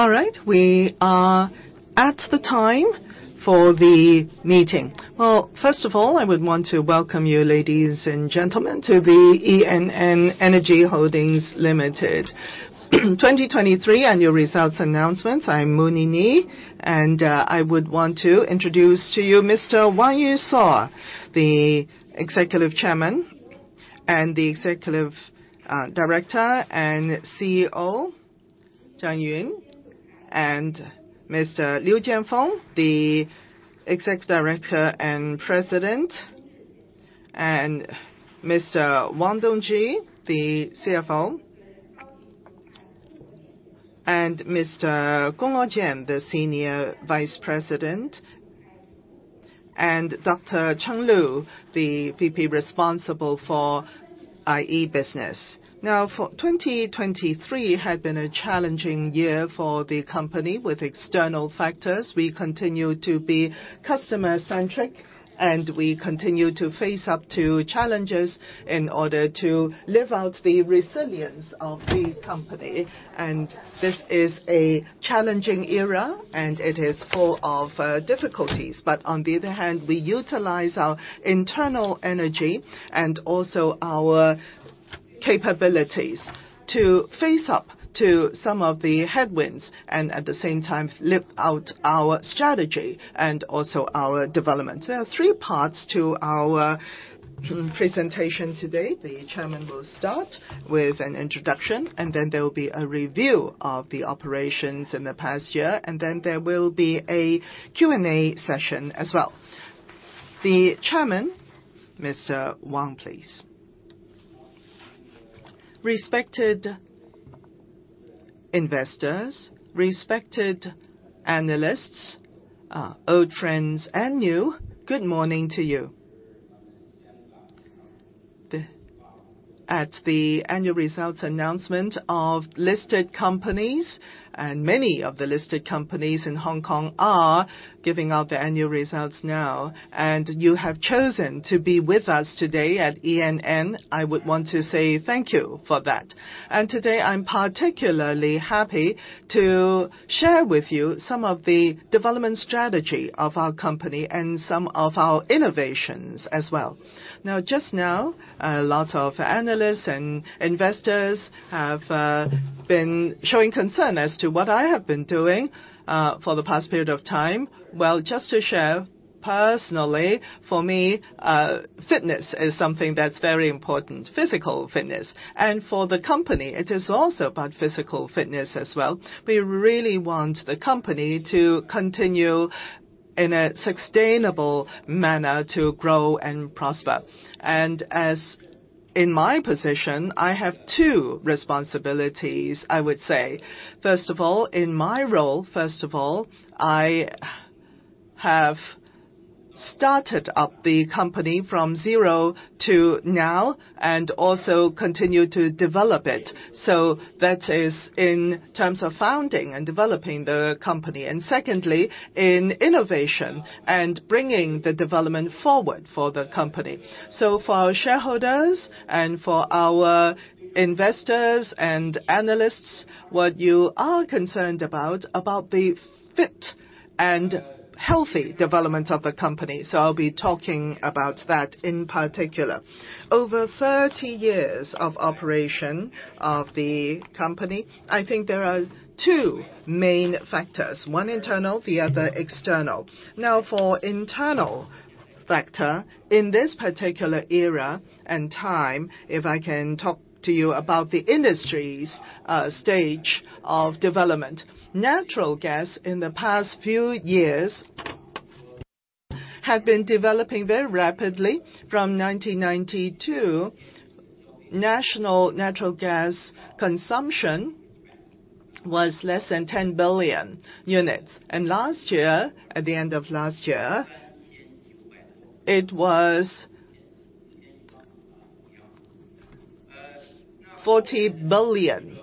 All right, we are at the time for the meeting. Well, first of all, I would want to welcome you, ladies and gentlemen, to the ENN Energy Holdings Limited 2023 annual results announcement. I'm Mu Nini, and I would want to introduce to you Mr. Wang Yusuo, the Executive Chairman and the Executive Director and CEO Zhang Yuying, and Mr. Liu Jianfeng, the Executive Director and President, and Mr. Wang Dongzhi, the CFO, and Mr. Gong Luojian, the Senior Vice President, and Dr. Chang Lu, the VP responsible for IE business. Now, 2023 had been a challenging year for the company with external factors. We continue to be customer-centric, and we continue to face up to challenges in order to live out the resilience of the company. This is a challenging era, and it is full of difficulties. But on the other hand, we utilize our internal energy and also our capabilities to face up to some of the headwinds and, at the same time, live out our strategy and also our development. There are three parts to our presentation today. The Chairman will start with an introduction, and then there will be a review of the operations in the past year, and then there will be a Q&A session as well. The Chairman, Mr. Wang, please. Respected investors, respected analysts, old friends and new, good morning to you. We're at the annual results announcement of listed companies, and many of the listed companies in Hong Kong are giving out their annual results now, and you have chosen to be with us today at ENN. I would want to say thank you for that. Today I'm particularly happy to share with you some of the development strategy of our company and some of our innovations as well. Now, just now, a lot of analysts and investors have been showing concern as to what I have been doing for the past period of time. Well, just to share personally, for me, fitness is something that's very important, physical fitness. For the company, it is also about physical fitness as well. We really want the company to continue in a sustainable manner to grow and prosper. As in my position, I have two responsibilities, I would say. First of all, in my role, first of all, I have started up the company from zero to now and also continue to develop it. So that is in terms of founding and developing the company, and secondly, in innovation and bringing the development forward for the company. So for our shareholders and for our investors and analysts, what you are concerned about, about the fit and healthy development of the company. So I'll be talking about that in particular. Over 30 years of operation of the company, I think there are two main factors, one internal, the other external. Now, for internal factor, in this particular era and time, if I can talk to you about the industries, stage of development, natural gas in the past few years had been developing very rapidly. From 1992, national natural gas consumption was less than 10 billion units. And last year, at the end of last year, it was 40 billion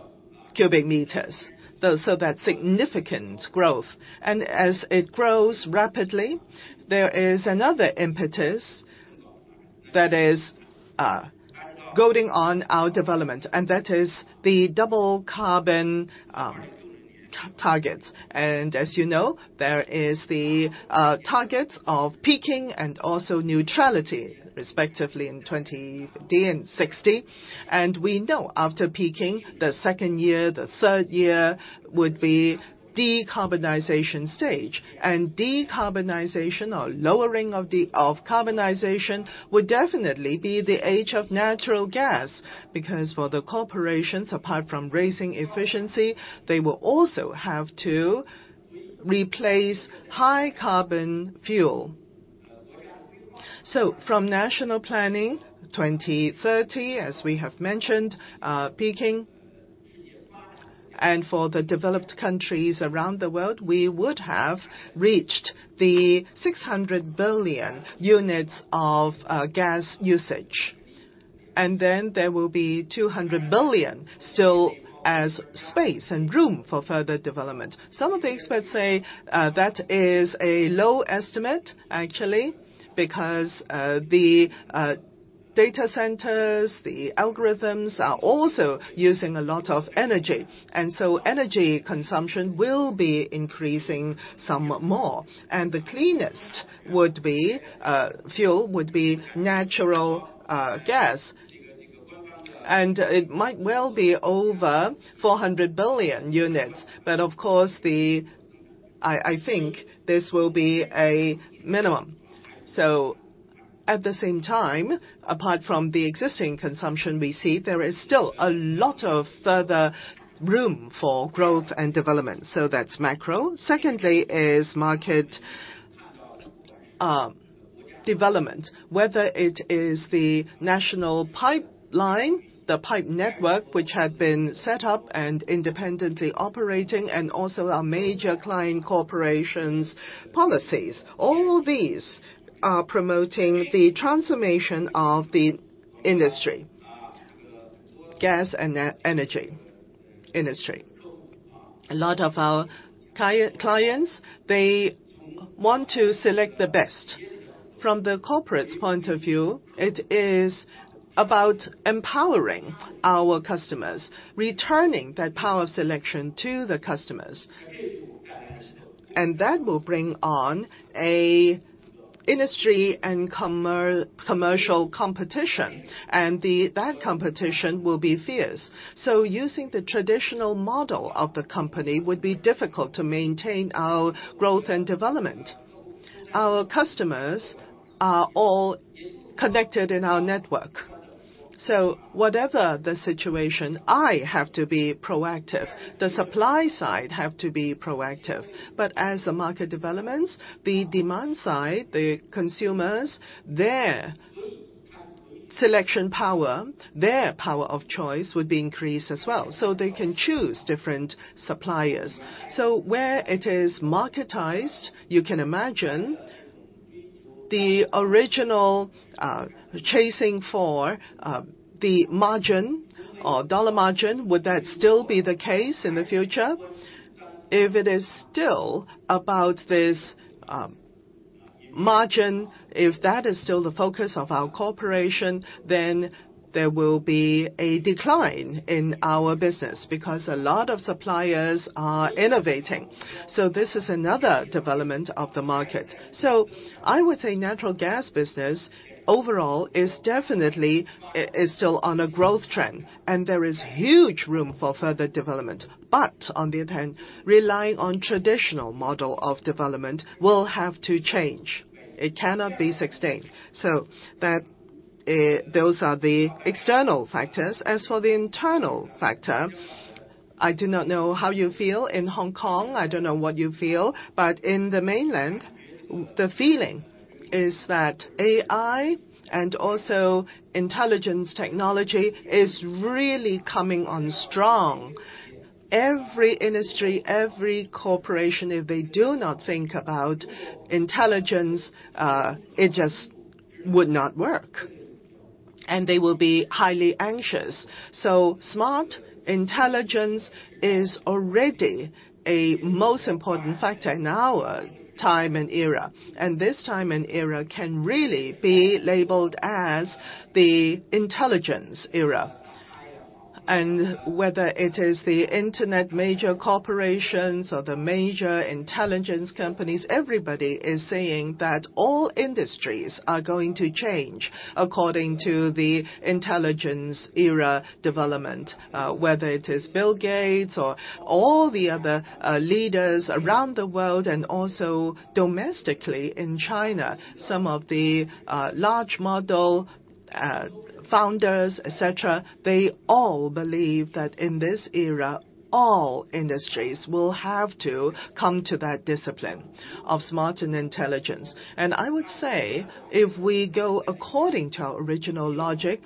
cubic meters. Though, so that's significant growth. As it grows rapidly, there is another impetus that is going on our development, and that is the Double Carbon targets. As you know, there are the targets of peaking and also neutrality, respectively, in 2060. We know after peaking, the second year, the third year would be decarbonization stage. Decarbonization, or lowering of the carbonization, would definitely be the age of natural gas because, for the corporations, apart from raising efficiency, they will also have to replace high-carbon fuel. From national planning, 2030, as we have mentioned, peaking, and for the developed countries around the world, we would have reached 600 billion units of gas usage. Then there will be 200 billion still as space and room for further development. Some of the experts say that is a low estimate, actually, because the data centers, the algorithms are also using a lot of energy. And so energy consumption will be increasing some more. And the cleanest fuel would be natural gas. And it might well be over 400 billion units, but of course, I think this will be a minimum. So at the same time, apart from the existing consumption we see, there is still a lot of further room for growth and development. So that's macro. Secondly is market development, whether it is the national pipeline, the pipe network which had been set up and independently operating, and also our major client corporations' policies. All these are promoting the transformation of the industry, gas and energy industry. A lot of our clients, they want to select the best. From the corporate's point of view, it is about empowering our customers, returning that power of selection to the customers. That will bring on an industry and commercial competition, and that competition will be fierce. Using the traditional model of the company would be difficult to maintain our growth and development. Our customers are all connected in our network. Whatever the situation, I have to be proactive. The supply side have to be proactive. But as the market developments, the demand side, the consumers, their selection power, their power of choice would be increased as well so they can choose different suppliers. Where it is marketized, you can imagine the original, chasing for, the margin or dollar margin, would that still be the case in the future? If it is still about this, margin, if that is still the focus of our corporation, then there will be a decline in our business because a lot of suppliers are innovating. So this is another development of the market. So I would say natural gas business, overall, is definitely is still on a growth trend, and there is huge room for further development. But on the other hand, relying on traditional model of development will have to change. It cannot be sustained. So that, those are the external factors. As for the internal factor, I do not know how you feel in Hong Kong. I don't know what you feel. But in the mainland, the feeling is that AI and also intelligence technology is really coming on strong. Every industry, every corporation, if they do not think about intelligence, it just would not work. And they will be highly anxious. So smart intelligence is already a most important factor in our time and era. And this time and era can really be labeled as the intelligence era. And whether it is the internet, major corporations or the major intelligence companies, everybody is saying that all industries are going to change according to the intelligence era development, whether it is Bill Gates or all the other leaders around the world, and also domestically in China. Some of the large model founders, etc, they all believe that in this era, all industries will have to come to that discipline of smart and intelligence. And I would say if we go according to our original logic,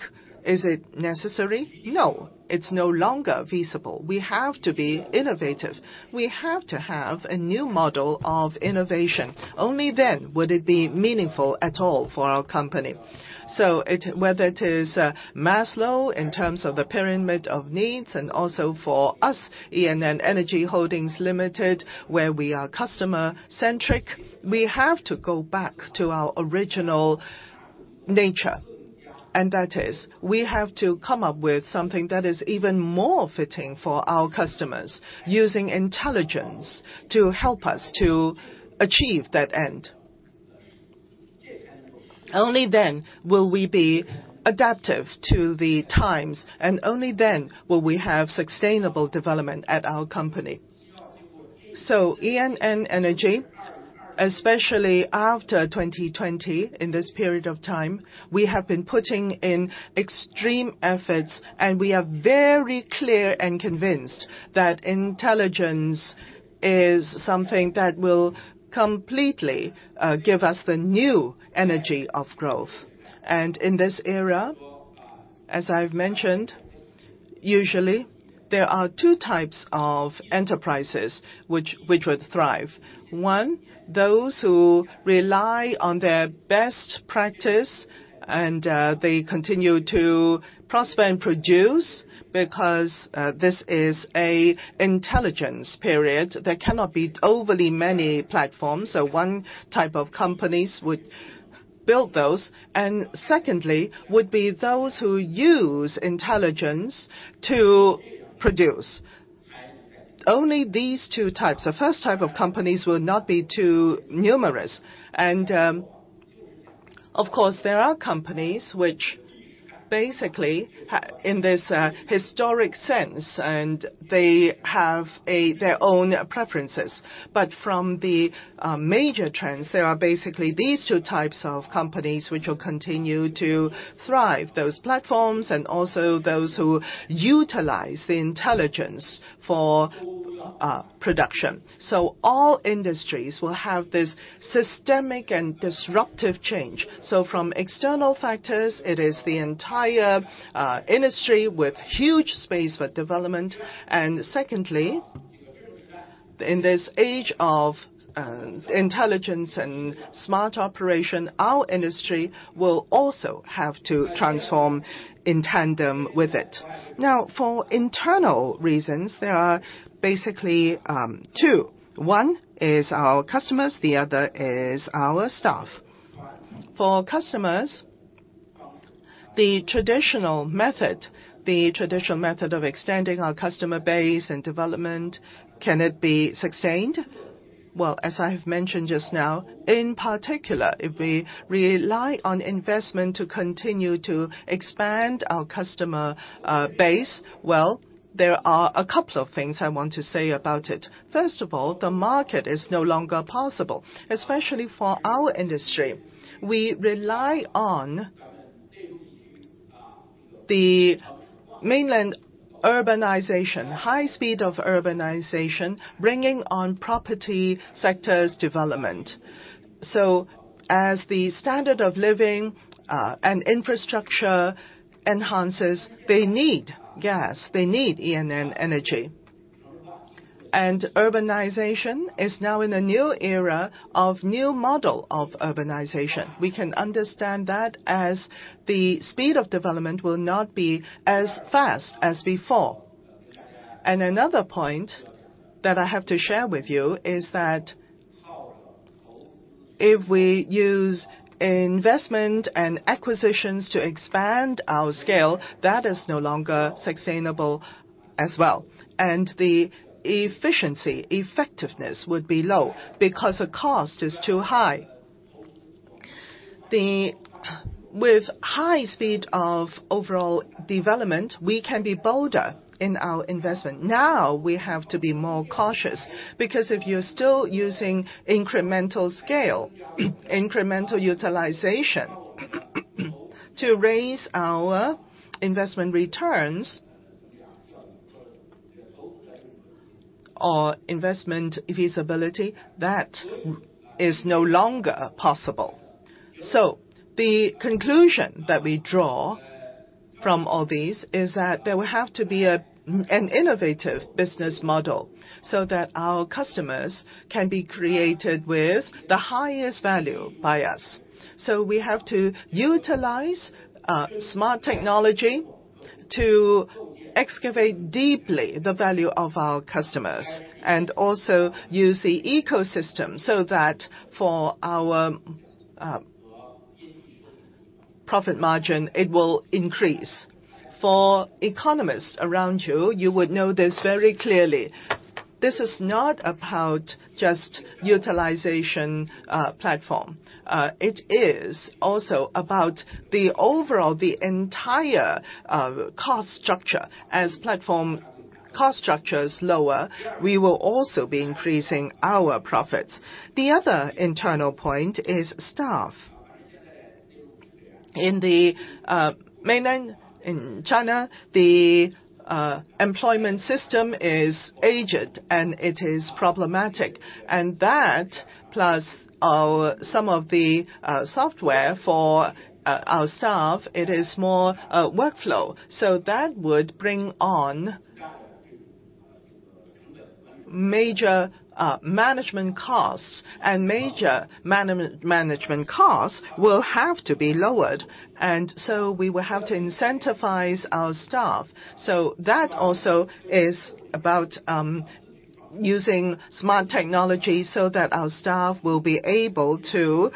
is it necessary? No, it's no longer feasible. We have to be innovative. We have to have a new model of innovation. Only then would it be meaningful at all for our company. So, whether it is Maslow in terms of the pyramid of needs and also for us, ENN Energy Holdings Limited, where we are customer-centric, we have to go back to our original nature. And that is, we have to come up with something that is even more fitting for our customers, using intelligence to help us to achieve that end. Only then will we be adaptive to the times, and only then will we have sustainable development at our company. So ENN Energy, especially after 2020, in this period of time, we have been putting in extreme efforts, and we are very clear and convinced that intelligence is something that will completely give us the new energy of growth. And in this era, as I've mentioned, usually there are two types of enterprises which, which would thrive. One, those who rely on their best practice and they continue to prosper and produce because this is an intelligence period. There cannot be overly many platforms, so one type of companies would build those. And secondly would be those who use intelligence to produce. Only these two types. The first type of companies will not be too numerous. And, of course, there are companies which basically have in this historic sense, and they have their own preferences. But from the major trends, there are basically these two types of companies which will continue to thrive, those platforms and also those who utilize the intelligence for production. So all industries will have this systemic and disruptive change. So from external factors, it is the entire industry with huge space for development. And secondly, in this age of intelligence and smart operation, our industry will also have to transform in tandem with it. Now, for internal reasons, there are basically two. One is our customers. The other is our staff. For customers, the traditional method, the traditional method of extending our customer base and development, can it be sustained? Well, as I have mentioned just now, in particular, if we rely on investment to continue to expand our customer base, well, there are a couple of things I want to say about it. First of all, the market is no longer possible, especially for our industry. We rely on the mainland urbanization, high speed of urbanization, bringing on property sectors development. So as the standard of living and infrastructure enhances, they need gas. They need ENN Energy. And urbanization is now in a new era of new model of urbanization. We can understand that, as the speed of development will not be as fast as before. Another point that I have to share with you is that if we use investment and acquisitions to expand our scale, that is no longer sustainable as well. The efficiency, effectiveness would be low because the cost is too high. With the high speed of overall development, we can be bolder in our investment. Now we have to be more cautious because if you're still using incremental scale, incremental utilization to raise our investment returns or investment feasibility, that is no longer possible. So the conclusion that we draw from all these is that there will have to be an innovative business model so that our customers can be created with the highest value by us. So we have to utilize smart technology to excavate deeply the value of our customers and also use the ecosystem so that for our profit margin, it will increase. For economists around you, you would know this very clearly. This is not about just utilization platform. It is also about the overall, the entire, cost structure. As platform cost structure is lower, we will also be increasing our profits. The other internal point is staff. In the Mainland China, the employment system is aged, and it is problematic. And that plus our some of the software for our staff, it is more workflow. So that would bring on major management costs. And major management costs will have to be lowered. And so we will have to incentivize our staff. So that also is about using smart technology so that our staff will be able to,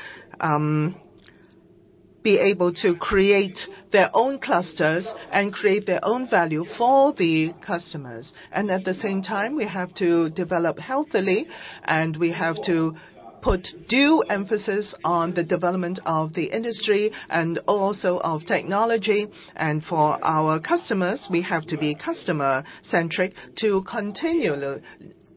be able to create their own clusters and create their own value for the customers. And at the same time, we have to develop healthily, and we have to put due emphasis on the development of the industry and also of technology. And for our customers, we have to be customer-centric to continually,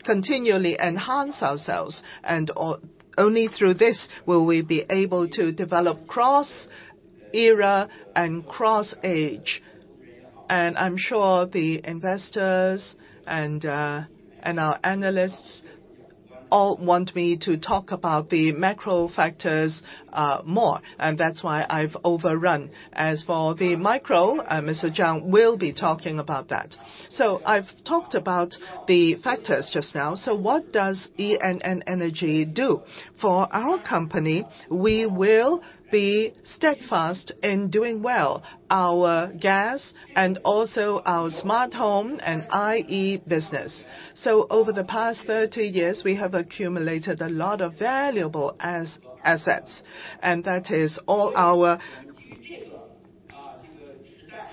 continually enhance ourselves. And all only through this will we be able to develop cross-era and cross-age. And I'm sure the investors and, and our analysts all want me to talk about the macro factors more. And that's why I've overrun. As for the micro, Mr. Zhang will be talking about that. So I've talked about the factors just now. So what does ENN Energy do? For our company, we will be steadfast in doing well our gas and also our smart home and IE business. Over the past 30 years, we have accumulated a lot of valuable assets. That is all our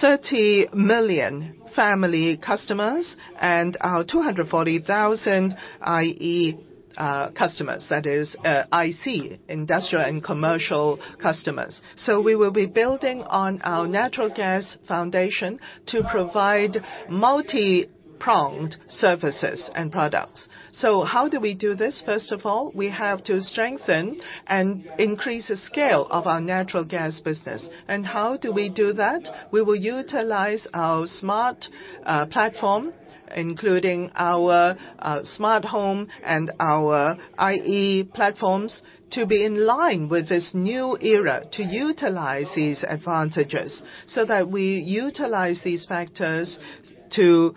30 million family customers and our 240,000 IE customers. That is, IC industrial and commercial customers. We will be building on our natural gas foundation to provide multi-pronged services and products. How do we do this? First of all, we have to strengthen and increase the scale of our natural gas business. How do we do that? We will utilize our smart platform, including our smart home and our IE platforms, to be in line with this new era, to utilize these advantages so that we utilize these factors to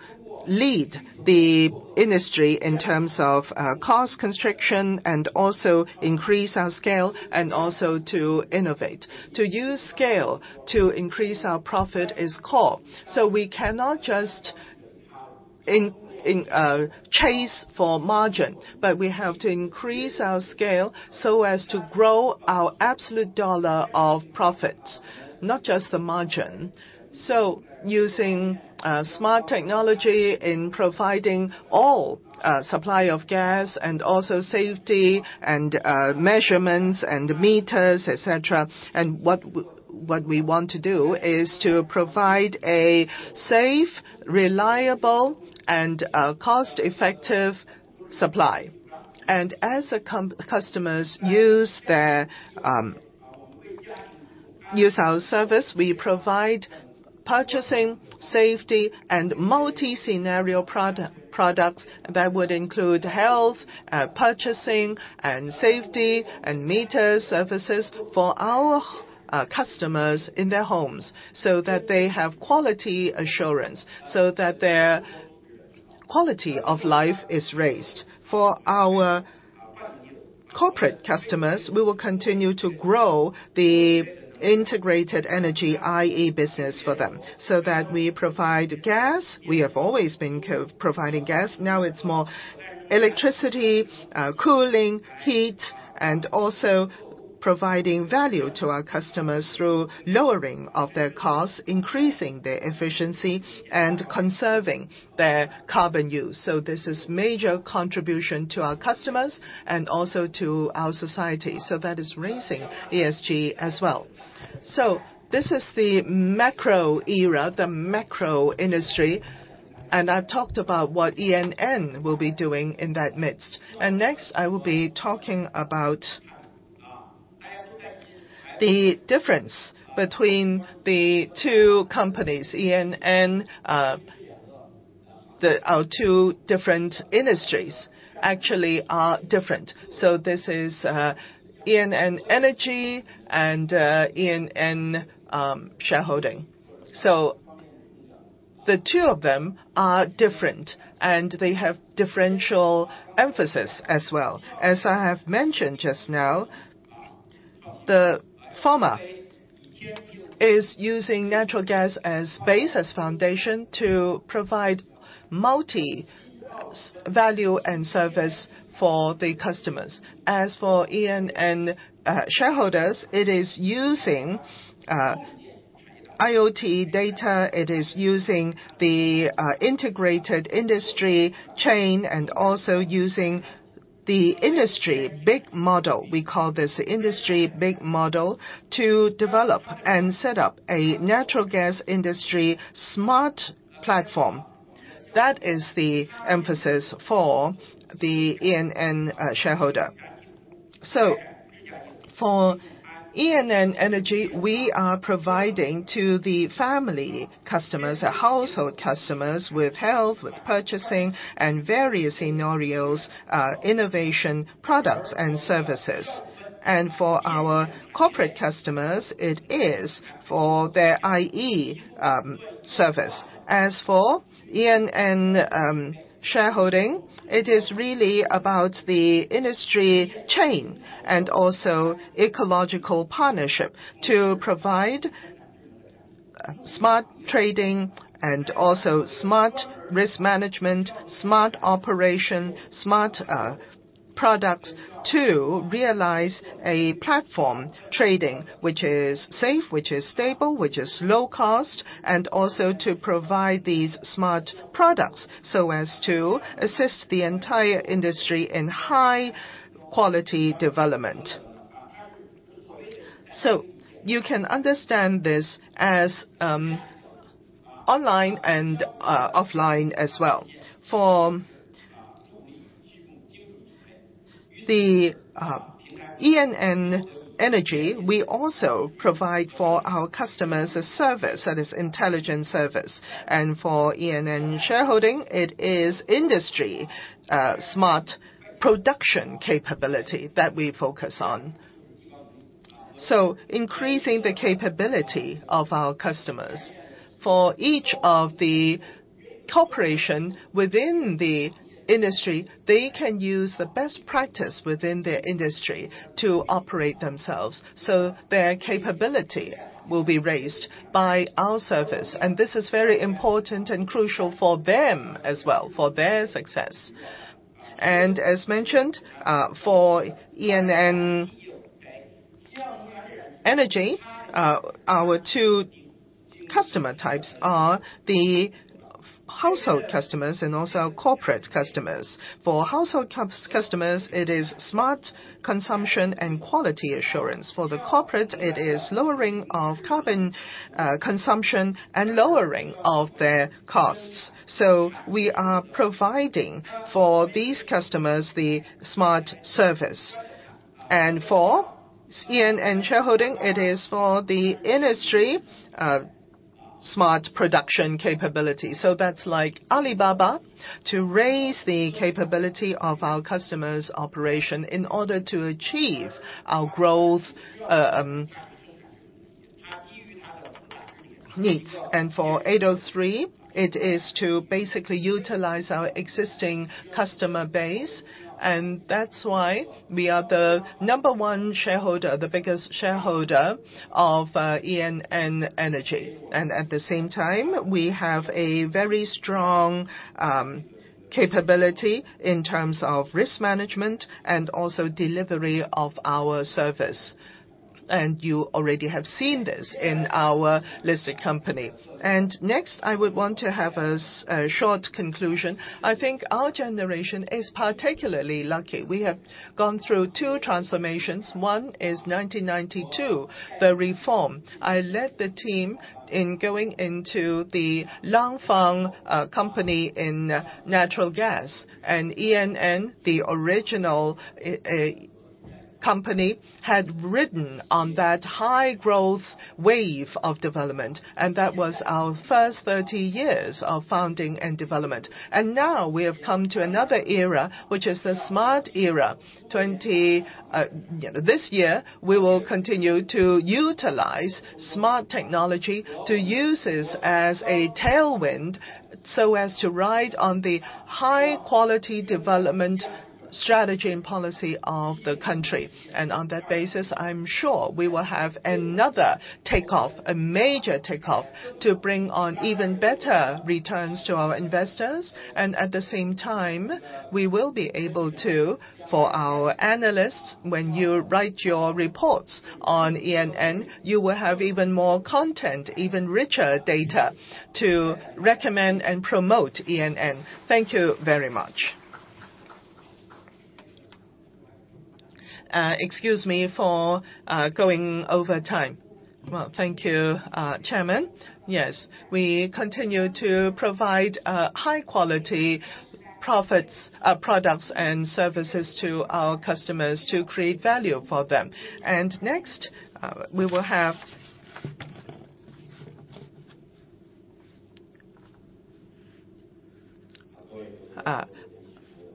lead the industry in terms of cost control and also increase our scale and also to innovate. To use scale to increase our profit is core. So we cannot just chase for margin, but we have to increase our scale so as to grow our absolute dollar of profit, not just the margin. So using smart technology in providing all supply of gas and also safety and measurements and meters, etc., and what we want to do is to provide a safe, reliable, and cost-effective supply. And as customers use our service, we provide purchasing, safety, and multi-scenario products that would include health, purchasing and safety and meter services for our customers in their homes so that they have quality assurance, so that their quality of life is raised. For our corporate customers, we will continue to grow the Integrated Energy IE business for them so that we provide gas. We have always been providing gas. Now it's more electricity, cooling, heat, and also providing value to our customers through lowering of their costs, increasing their efficiency, and conserving their carbon use. So this is major contribution to our customers and also to our society. So that is raising ESG as well. So this is the macro era, the macro industry. I've talked about what ENN will be doing in that midst. Next, I will be talking about the difference between the two companies, ENN, our two different industries actually are different. So this is ENN Energy and ENN Natural Gas. So the two of them are different, and they have differential emphasis as well. As I have mentioned just now, the former is using natural gas as base, as foundation, to provide multi-value and service for the customers. As for ENN Natural Gas, it is using IoT data. It is using the integrated industry chain and also using the industry big model. We call this industry big model to develop and set up a natural gas industry smart platform. That is the emphasis for the ENN shareholder. So for ENN Energy, we are providing to the family customers, our household customers with health, with purchasing, and various scenarios, innovation products and services. And for our corporate customers, it is for their IE service. As for ENN shareholding, it is really about the industry chain and also ecological partnership to provide smart trading and also smart risk management, smart operation, smart products to realize a platform trading which is safe, which is stable, which is low cost, and also to provide these smart products so as to assist the entire industry in high-quality development. So you can understand this as online and offline as well. For ENN Energy, we also provide for our customers a service that is intelligent service. For ENN shareholding, it is industry smart production capability that we focus on. So increasing the capability of our customers. For each of the corporation within the industry, they can use the best practice within their industry to operate themselves. So their capability will be raised by our service. And this is very important and crucial for them as well, for their success. As mentioned, for ENN Energy, our two customer types are the household customers and also corporate customers. For household customers, it is smart consumption and quality assurance. For the corporate, it is lowering of carbon consumption and lowering of their costs. So we are providing for these customers the smart service. For ENN shareholding, it is for the industry smart production capability. So that's like Alibaba to raise the capability of our customers' operation in order to achieve our growth needs. And for 803, it is to basically utilize our existing customer base. And that's why we are the number one shareholder, the biggest shareholder of ENN Energy. And at the same time, we have a very strong capability in terms of risk management and also delivery of our service. And you already have seen this in our listed company. And next, I would want to have a short conclusion. I think our generation is particularly lucky. We have gone through two transformations. One is 1992, the reform. I led the team in going into the Langfang company in natural gas. And ENN, the original company, had ridden on that high-growth wave of development. And that was our first 30 years of founding and development. And now we have come to another era, which is the smart era. 20 you know, this year, we will continue to utilize smart technology to use this as a tailwind so as to ride on the high-quality development strategy and policy of the country. And on that basis, I'm sure we will have another takeoff, a major takeoff, to bring on even better returns to our investors. And at the same time, we will be able to for our analysts, when you write your reports on ENN, you will have even more content, even richer data to recommend and promote ENN. Thank you very much. Excuse me for going over time. Well, thank you, Chairman. Yes. We continue to provide high-quality profits, products and services to our customers to create value for them. And next, we will have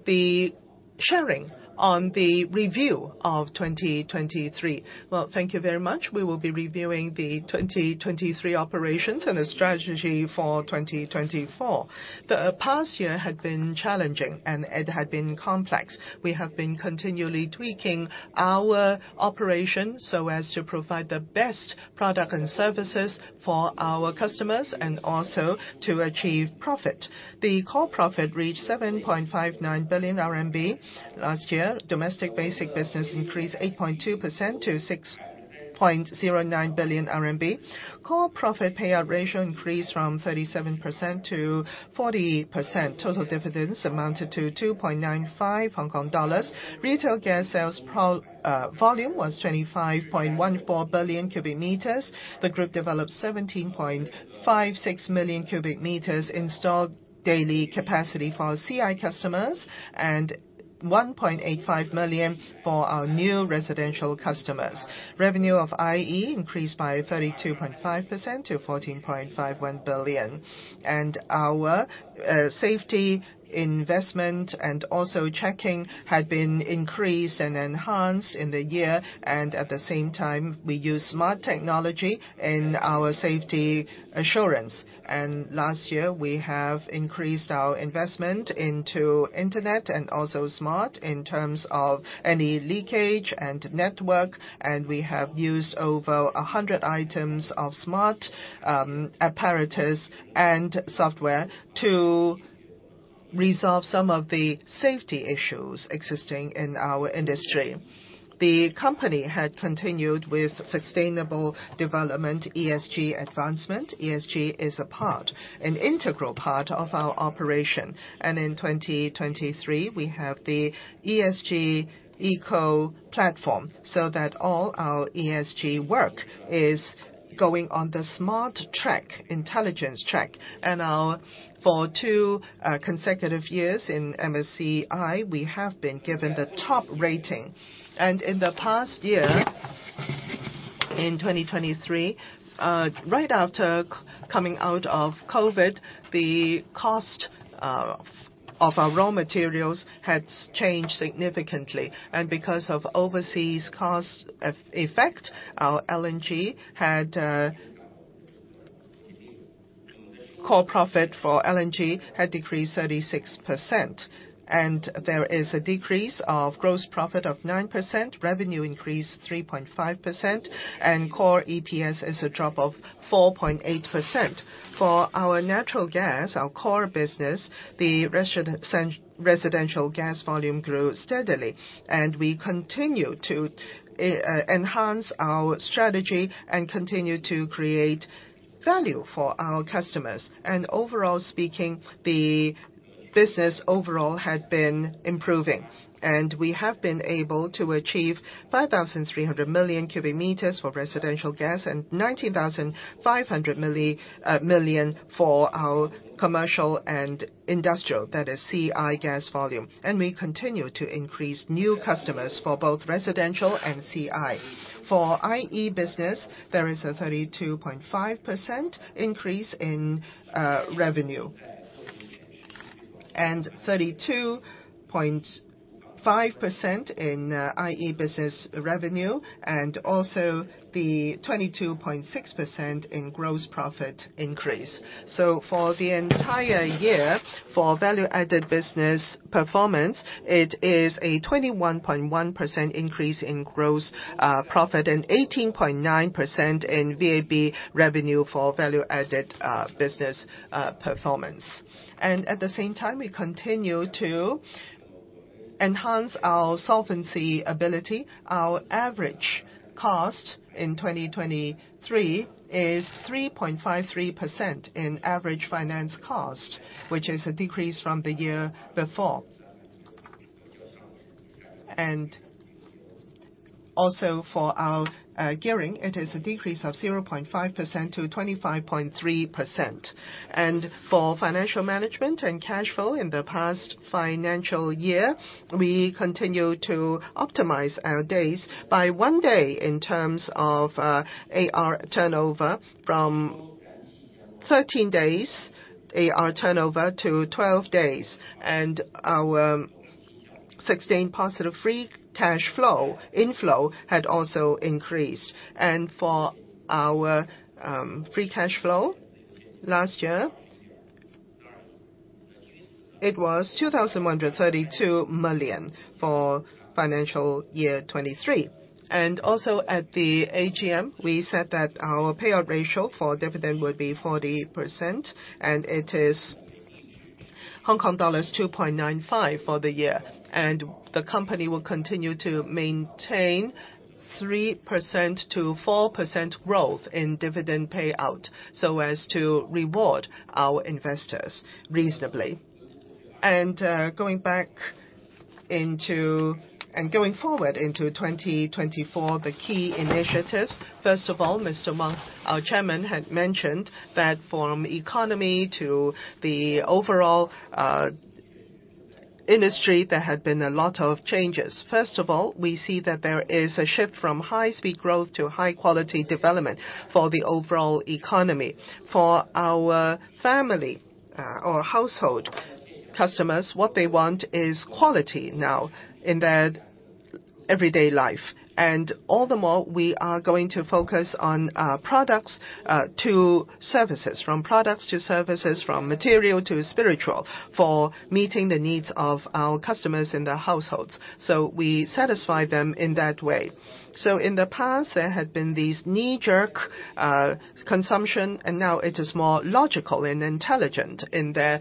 the sharing on the review of 2023. Well, thank you very much. We will be reviewing the 2023 operations and the strategy for 2024. The past year had been challenging, and it had been complex. We have been continually tweaking our operations so as to provide the best product and services for our customers and also to achieve profit. The core profit reached 7.59 billion RMB last year. Domestic basic business increased 8.2% to 6.09 billion RMB. Core profit payout ratio increased from 37% to 40%. Total dividends amounted to 2.95 Hong Kong dollars. Retail gas sales volume was 25.14 billion cubic meters. The group developed 17.56 million cubic meters installed daily capacity for CI customers and 1.85 million for our new residential customers. Revenue of IE increased by 32.5% to 14.51 billion. Our safety investment and also checking had been increased and enhanced in the year. At the same time, we use smart technology in our safety assurance. Last year, we have increased our investment into internet and also smart in terms of any leakage and network. And we have used over 100 items of smart apparatus and software to resolve some of the safety issues existing in our industry. The company had continued with sustainable development, ESG advancement. ESG is a part, an integral part of our operation. And in 2023, we have the ESG eco platform so that all our ESG work is going on the smart track, intelligence track. And for two consecutive years in MSCI, we have been given the top rating. And in the past year, in 2023, right after coming out of COVID, the cost of our raw materials had changed significantly. Because of overseas cost effect, our LNG core profit had decreased 36%. There is a decrease of gross profit of 9%, revenue increased 3.5%, and core EPS is a drop of 4.8%. For our natural gas, our core business, the residential gas volume grew steadily. We continue to enhance our strategy and continue to create value for our customers. Overall speaking, the business overall had been improving. We have been able to achieve 5,300 million cubic meters for residential gas and 19,500 million for our commercial and industrial, that is, CI gas volume. We continue to increase new customers for both residential and CI. For IE business, there is a 32.5% increase in revenue and 32.5% in IE business revenue and also the 22.6% in gross profit increase. So for the entire year, for value-added business performance, it is a 21.1% increase in gross profit and 18.9% in VAB revenue for value-added business performance. At the same time, we continue to enhance our solvency ability. Our average cost in 2023 is 3.53% in average finance cost, which is a decrease from the year before. Also for our gearing, it is a decrease of 0.5% to 25.3%. For financial management and cash flow in the past financial year, we continue to optimize our days by 1 day in terms of AR turnover from 13 days AR turnover to 12 days. Our sustained positive free cash flow inflow had also increased. For our free cash flow last year, it was 2,132 million for financial year 2023. Also at the AGM, we said that our payout ratio for dividend would be 40%, and it is 2.95 for the year. The company will continue to maintain 3%-4% growth in dividend payout so as to reward our investors reasonably. Going back into and going forward into 2024, the key initiatives, first of all, Mr. Wang, our Chairman, had mentioned that from the economy to the overall industry, there had been a lot of changes. First of all, we see that there is a shift from high-speed growth to high-quality development for the overall economy. For our family or household customers, what they want is quality now in their everyday life. All the more, we are going to focus on products to services, from products to services, from material to spiritual for meeting the needs of our customers in their households. We satisfy them in that way. In the past, there had been this knee-jerk consumption, and now it is more logical and intelligent in their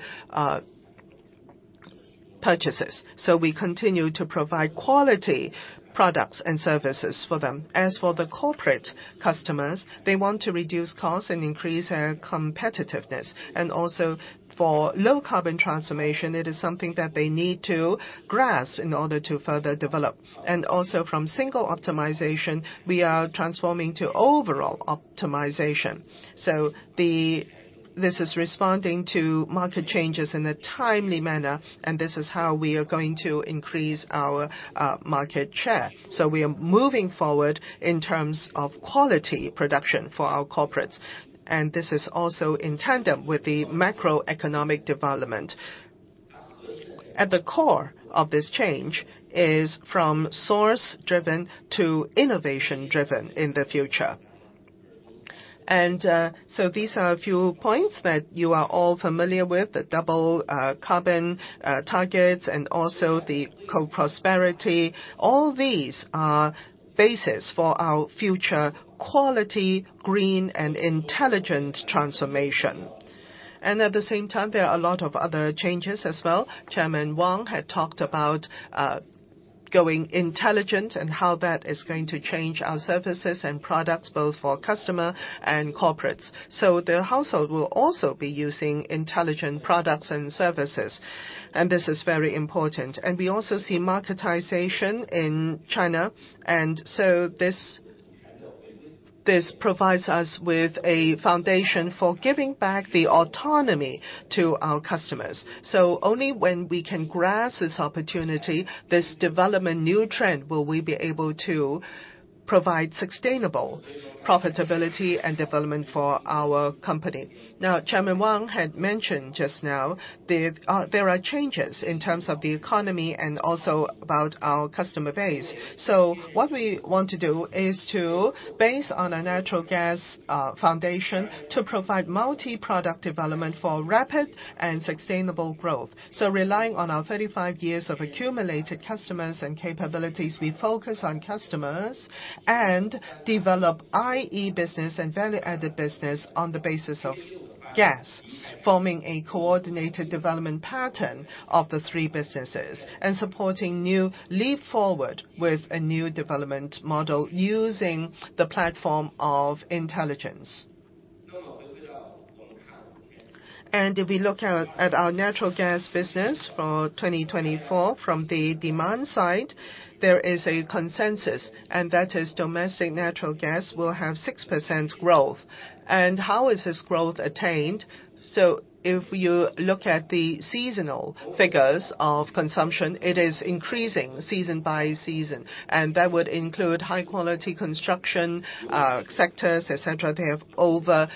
purchases. We continue to provide quality products and services for them. As for the corporate customers, they want to reduce costs and increase their competitiveness. For low-carbon transformation, it is something that they need to grasp in order to further develop. From single optimization, we are transforming to overall optimization. This is responding to market changes in a timely manner. This is how we are going to increase our market share. We are moving forward in terms of quality production for our corporates. This is also in tandem with the macroeconomic development. At the core of this change is from source-driven to innovation-driven in the future. These are a few points that you are all familiar with, the Double Carbon targets and also the co-prosperity. All these are bases for our future quality, green, and intelligent transformation. At the same time, there are a lot of other changes as well. Chairman Wang had talked about going intelligent and how that is going to change our services and products both for customers and corporates. So households will also be using intelligent products and services. And this is very important. And we also see marketization in China. And so this provides us with a foundation for giving back the autonomy to our customers. So only when we can grasp this opportunity, this developing new trend, will we be able to provide sustainable profitability and development for our company. Now, Chairman Wang had mentioned just now that there are changes in terms of the economy and also about our customer base. So what we want to do is to, based on our natural gas foundation, to provide multi-product development for rapid and sustainable growth. So relying on our 35 years of accumulated customers and capabilities, we focus on customers and develop IE business and value-added business on the basis of gas, forming a coordinated development pattern of the three businesses and supporting new leap forward with a new development model using the platform of intelligence. And if we look at our natural gas business for 2024 from the demand side, there is a consensus, and that is domestic natural gas will have 6% growth. And how is this growth attained? So if you look at the seasonal figures of consumption, it is increasing season by season. That would include high-quality construction, sectors, etc. They have over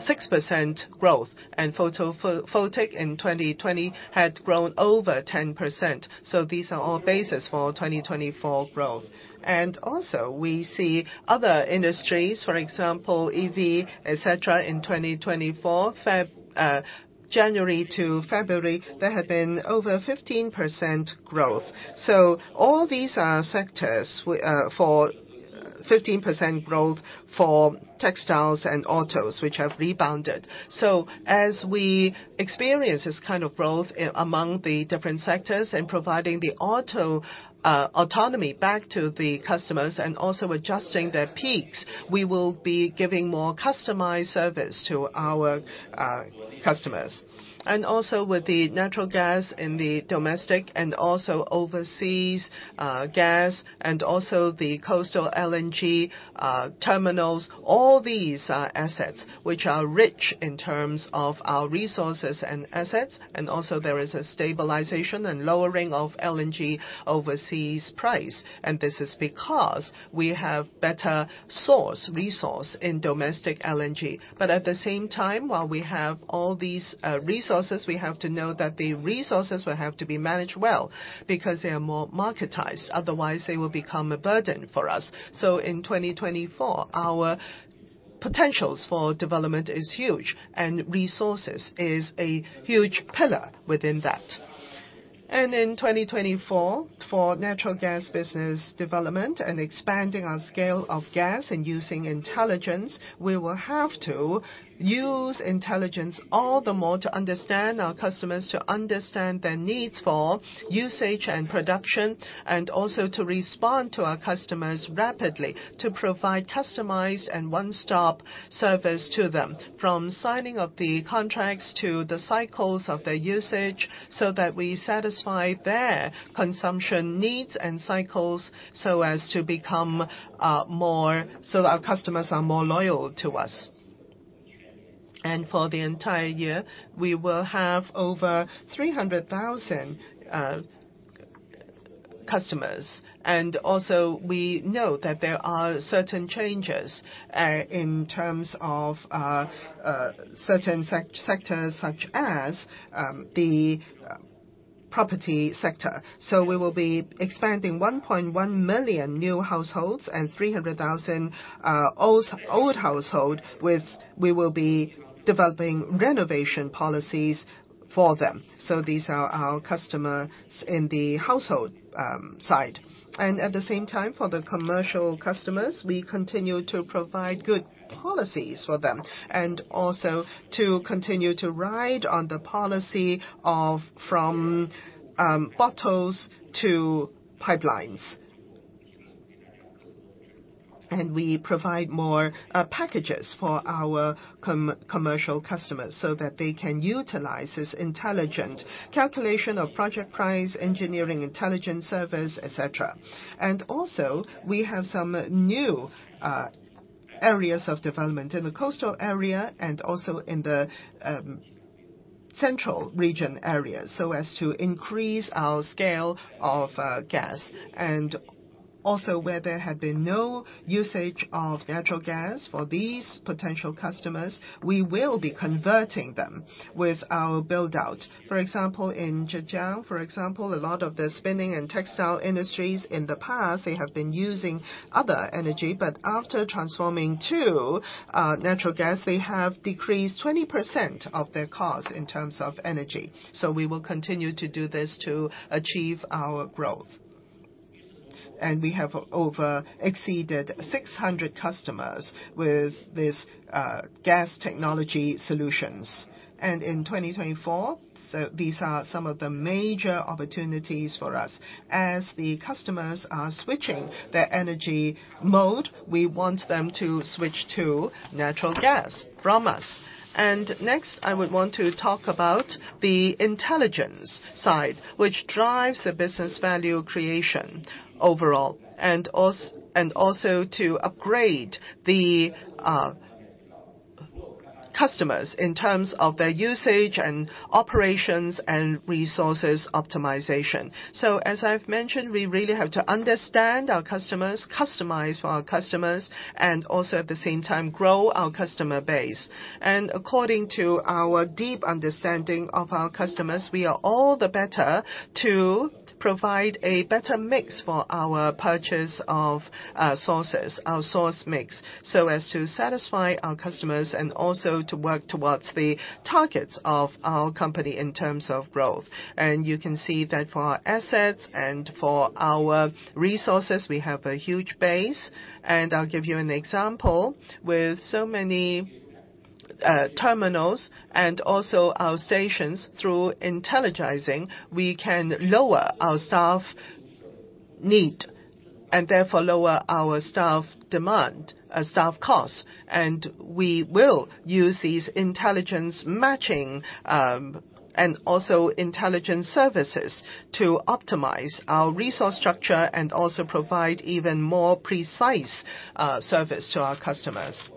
6% growth. Photovoltaic in 2020 had grown over 10%. So these are all bases for 2024 growth. And also, we see other industries, for example, EV, etc., in 2024, January to February, there had been over 15% growth. So all these are sectors with 15% growth for textiles and autos, which have rebounded. So as we experience this kind of growth among the different sectors and providing the autonomy back to the customers and also adjusting their peaks, we will be giving more customized service to our customers. And also with the natural gas in the domestic and also overseas gas and also the coastal LNG terminals, all these are assets which are rich in terms of our resources and assets. And also, there is a stabilization and lowering of LNG overseas price. This is because we have better source resource in domestic LNG. But at the same time, while we have all these resources, we have to know that the resources will have to be managed well because they are more marketized. Otherwise, they will become a burden for us. So in 2024, our potentials for development is huge, and resources is a huge pillar within that. In 2024, for natural gas business development and expanding our scale of gas and using intelligence, we will have to use intelligence all the more to understand our customers, to understand their needs for usage and production, and also to respond to our customers rapidly, to provide customized and one-stop service to them from signing of the contracts to the cycles of their usage so that we satisfy their consumption needs and cycles so as to become more so that our customers are more loyal to us. For the entire year, we will have over 300,000 customers. We also know that there are certain changes in terms of certain sectors such as the property sector. We will be expanding 1.1 million new households and 300,000 old households with we will be developing renovation policies for them. These are our customers in the household side. At the same time, for the commercial customers, we continue to provide good policies for them and also to continue to ride on the policy of from bottles to pipelines. We provide more packages for our commercial customers so that they can utilize this intelligent calculation of project price, engineering intelligence service, etc. We also have some new areas of development in the coastal area and also in the central region areas so as to increase our scale of gas. Also, where there had been no usage of natural gas for these potential customers, we will be converting them with our build-out. For example, in Zhejiang, a lot of the spinning and textile industries in the past, they have been using other energy. But after transforming to natural gas, they have decreased 20% of their costs in terms of energy. So we will continue to do this to achieve our growth. We have over exceeded 600 customers with this gas technology solutions. In 2024, so these are some of the major opportunities for us. As the customers are switching their energy mode, we want them to switch to natural gas from us. Next, I would want to talk about the intelligence side, which drives the business value creation overall and also and also to upgrade the customers in terms of their usage and operations and resources optimization. As I've mentioned, we really have to understand our customers, customize for our customers, and also at the same time grow our customer base. According to our deep understanding of our customers, we are all the better to provide a better mix for our purchase of sources, our source mix, so as to satisfy our customers and also to work towards the targets of our company in terms of growth. You can see that for our assets and for our resources, we have a huge base. I'll give you an example. With so many terminals and also our stations, through intelligizing, we can lower our staff need and therefore lower our staff demand, staff costs. We will use these intelligence matching and also intelligence services to optimize our resource structure and also provide even more precise service to our customers.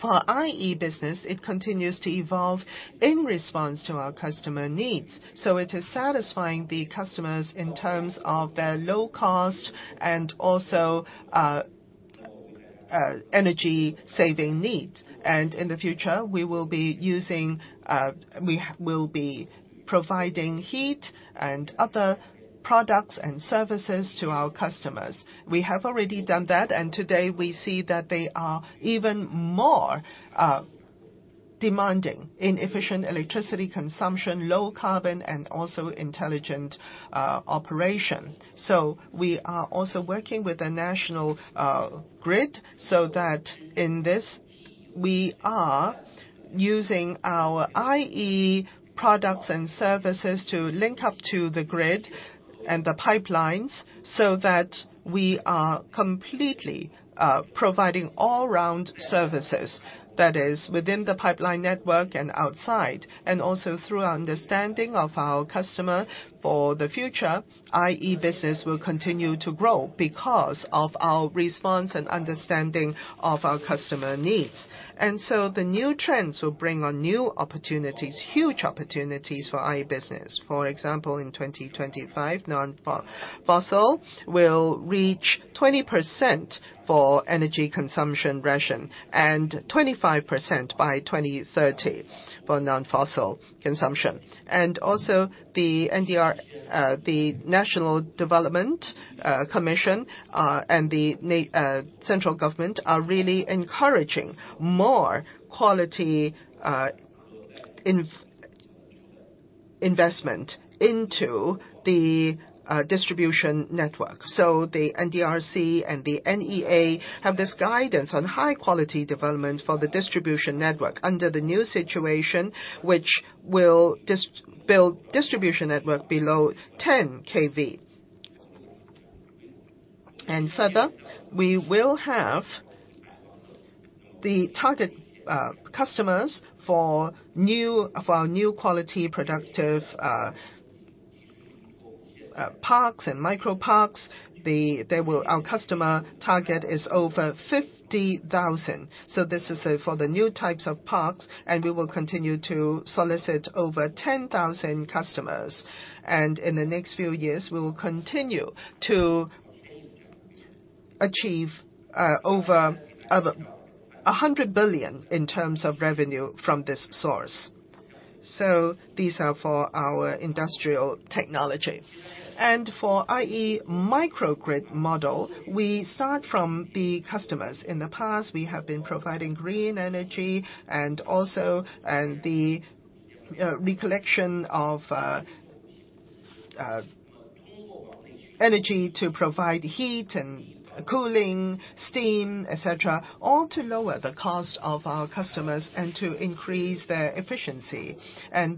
For IE business, it continues to evolve in response to our customer needs. It is satisfying the customers in terms of their low-cost and also energy-saving needs. In the future, we will be using, we will be providing heat and other products and services to our customers. We have already done that. Today, we see that they are even more demanding in efficient electricity consumption, low-carbon, and also intelligent operation. We are also working with the national grid so that in this, we are using our IE products and services to link up to the grid and the pipelines so that we are completely providing all-round services, that is, within the pipeline network and outside. Also through our understanding of our customer for the future, IE business will continue to grow because of our response and understanding of our customer needs. The new trends will bring on new opportunities, huge opportunities for IE business. For example, in 2025, non-fossil will reach 20% for energy consumption ratio and 25% by 2030 for non-fossil consumption. Also, the NDRC, the National Development and Reform Commission, and the central government are really encouraging more quality investment into the distribution network. So the NDRC and the NEA have this guidance on high-quality development for the distribution network under the new situation, which will build distribution network below 10 kV. And further, we will have the target customers for new for our new quality productive parks and microparks, the there will our customer target is over 50,000. So this is for the new types of parks. And we will continue to solicit over 10,000 customers. And in the next few years, we will continue to achieve over CNY 100 billion in terms of revenue from this source. So these are for our industrial technology. For IE microgrid model, we start from the customers. In the past, we have been providing green energy and also the utilization of energy to provide heat and cooling, steam, etc., all to lower the cost of our customers and to increase their efficiency.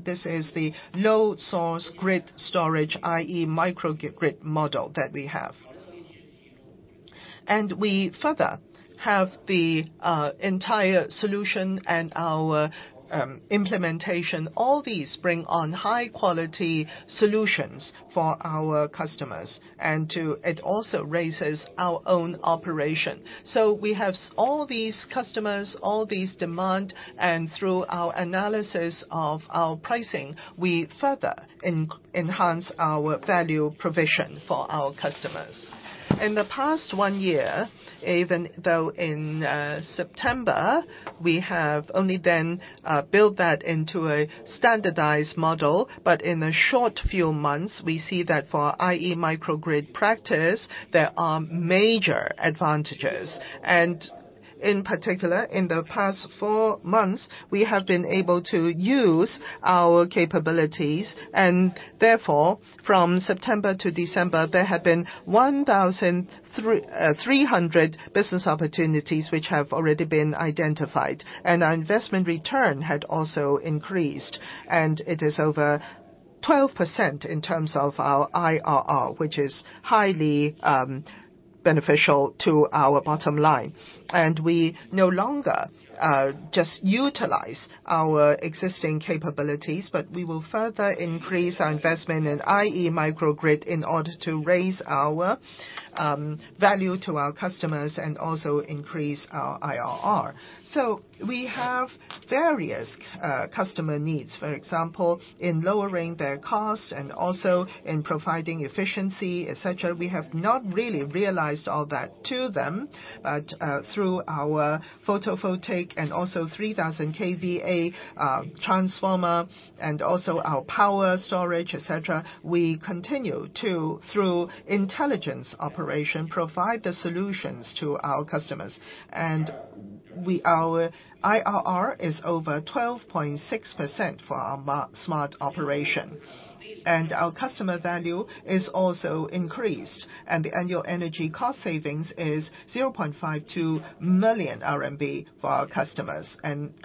This is the low-carbon grid storage IE microgrid model that we have. We further have the entire solution and our implementation; all these bring on high-quality solutions for our customers. It also raises our own operation. We have all these customers, all these demand. Through our analysis of our pricing, we further enhance our value provision for our customers. In the past one year, even though in September we have only then built that into a standardized model, but in the short few months, we see that for IE microgrid practice, there are major advantages. In particular, in the past four months, we have been able to use our capabilities. Therefore, from September to December, there have been 1,300 business opportunities which have already been identified. Our investment return had also increased. It is over 12% in terms of our IRR, which is highly beneficial to our bottom line. We no longer just utilize our existing capabilities, but we will further increase our investment in IE microgrid in order to raise our value to our customers and also increase our IRR. So we have various customer needs, for example, in lowering their cost and also in providing efficiency, etc. We have not really realized all that to them. But through our photovoltaic and also 3,000-kVA transformer and also our power storage, etc., we continue to through intelligence operation provide the solutions to our customers. Our IRR is over 12.6% for our smart operation. Our customer value is also increased. The annual energy cost savings is 0.52 million RMB for our customers.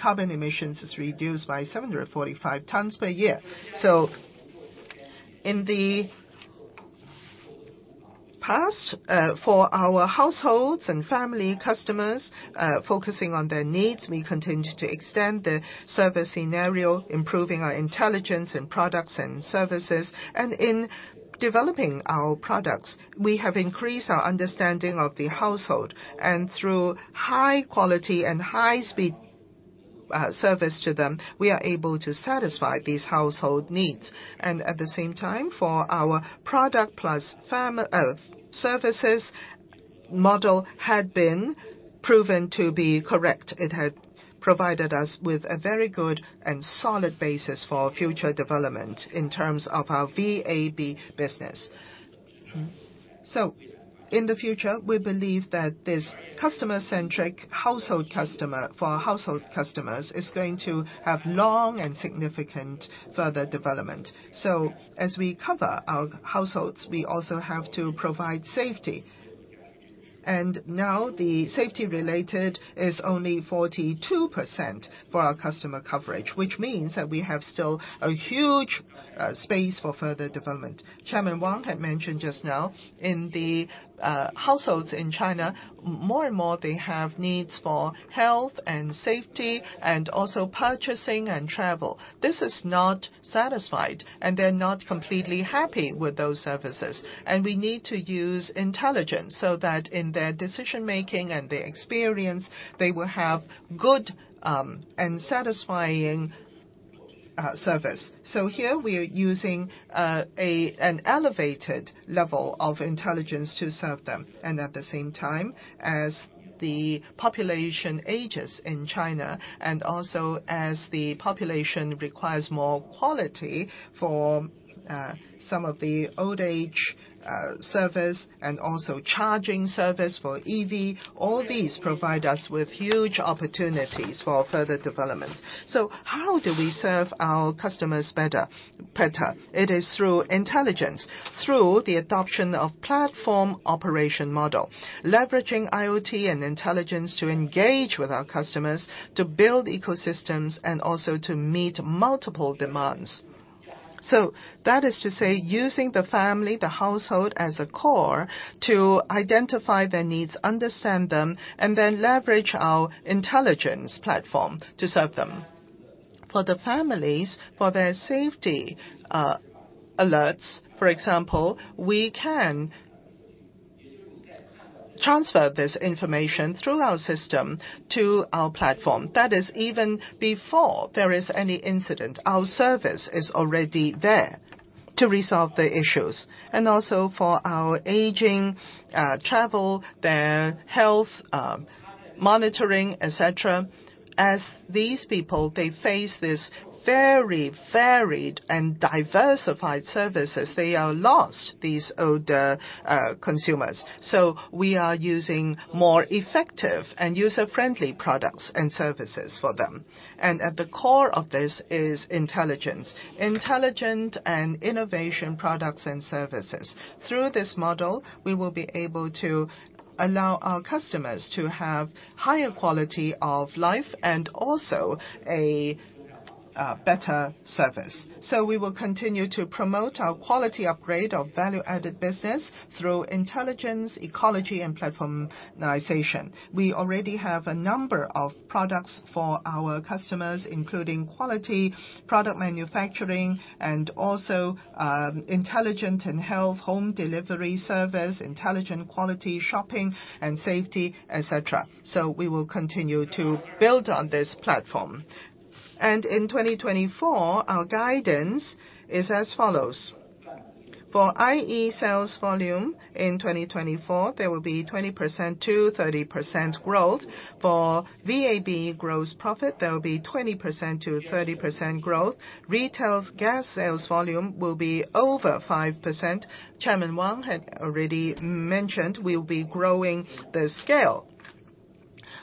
Carbon emissions is reduced by 745 tons per year. So in the past, for our households and family customers, focusing on their needs, we continue to extend the service scenario, improving our intelligence and products and services. In developing our products, we have increased our understanding of the household. Through high-quality and high-speed service to them, we are able to satisfy these household needs. At the same time, for our product-plus family services model had been proven to be correct. It had provided us with a very good and solid basis for future development in terms of our VAB business. In the future, we believe that this customer-centric household customer for our household customers is going to have long and significant further development. As we cover our households, we also have to provide safety. Now, the safety-related is only 42% for our customer coverage, which means that we have still a huge space for further development. Chairman Wang had mentioned just now, in the households in China, more and more, they have needs for health and safety and also purchasing and travel. This is not satisfied. They're not completely happy with those services. We need to use intelligence so that in their decision-making and their experience, they will have good and satisfying service. Here, we are using an elevated level of intelligence to serve them. At the same time, as the population ages in China and also as the population requires more quality for some of the old-age service and also charging service for EV, all these provide us with huge opportunities for further development. So how do we serve our customers better? Peter, it is through intelligence, through the adoption of platform operation model, leveraging IoT and intelligence to engage with our customers, to build ecosystems, and also to meet multiple demands. So that is to say, using the family, the household as a core to identify their needs, understand them, and then leverage our intelligence platform to serve them. For the families, for their safety, alerts, for example, we can transfer this information through our system to our platform. That is even before there is any incident. Our service is already there to resolve the issues. And also for our aging, travel, their health, monitoring, etc., as these people, they face these very varied and diversified services. They are lost, these older consumers. So we are using more effective and user-friendly products and services for them. And at the core of this is intelligence, intelligent and innovative products and services. Through this model, we will be able to allow our customers to have higher quality of life and also a better service. So we will continue to promote our quality upgrade of value-added business through intelligence, ecology, and platformization. We already have a number of products for our customers, including quality product manufacturing and also intelligent health home delivery service, intelligent quality shopping and safety, etc. So we will continue to build on this platform. And in 2024, our guidance is as follows. For IE sales volume in 2024, there will be 20%-30% growth. For VAB gross profit, there will be 20%-30% growth. Retail gas sales volume will be over 5%. Chairman Wang had already mentioned we will be growing the scale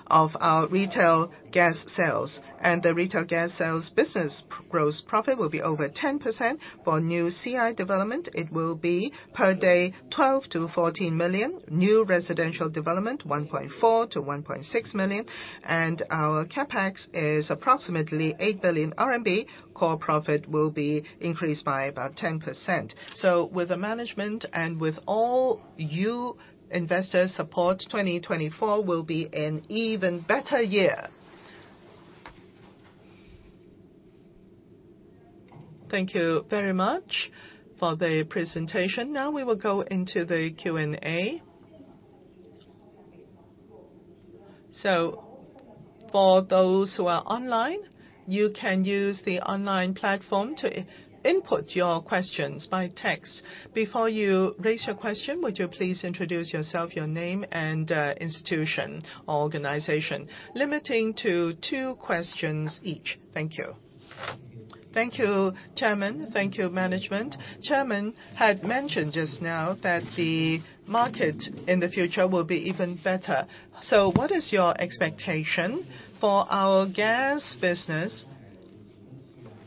of our retail gas sales. And the retail gas sales business gross profit will be over 10%. For new CI development, it will be per day 12-14 million. New residential development, 1.4-1.6 million. And our CapEx is approximately 8 billion RMB. Core profit will be increased by about 10%. So with the management and with all you investors' support, 2024 will be an even better year. Thank you very much for the presentation. Now, we will go into the Q&A. So for those who are online, you can use the online platform to input your questions by text. Before you raise your question, would you please introduce yourself, your name, and institution or organization, limiting to two questions each? Thank you. Thank you, Chairman. Thank you, management. Chairman had mentioned just now that the market in the future will be even better. So what is your expectation for our gas business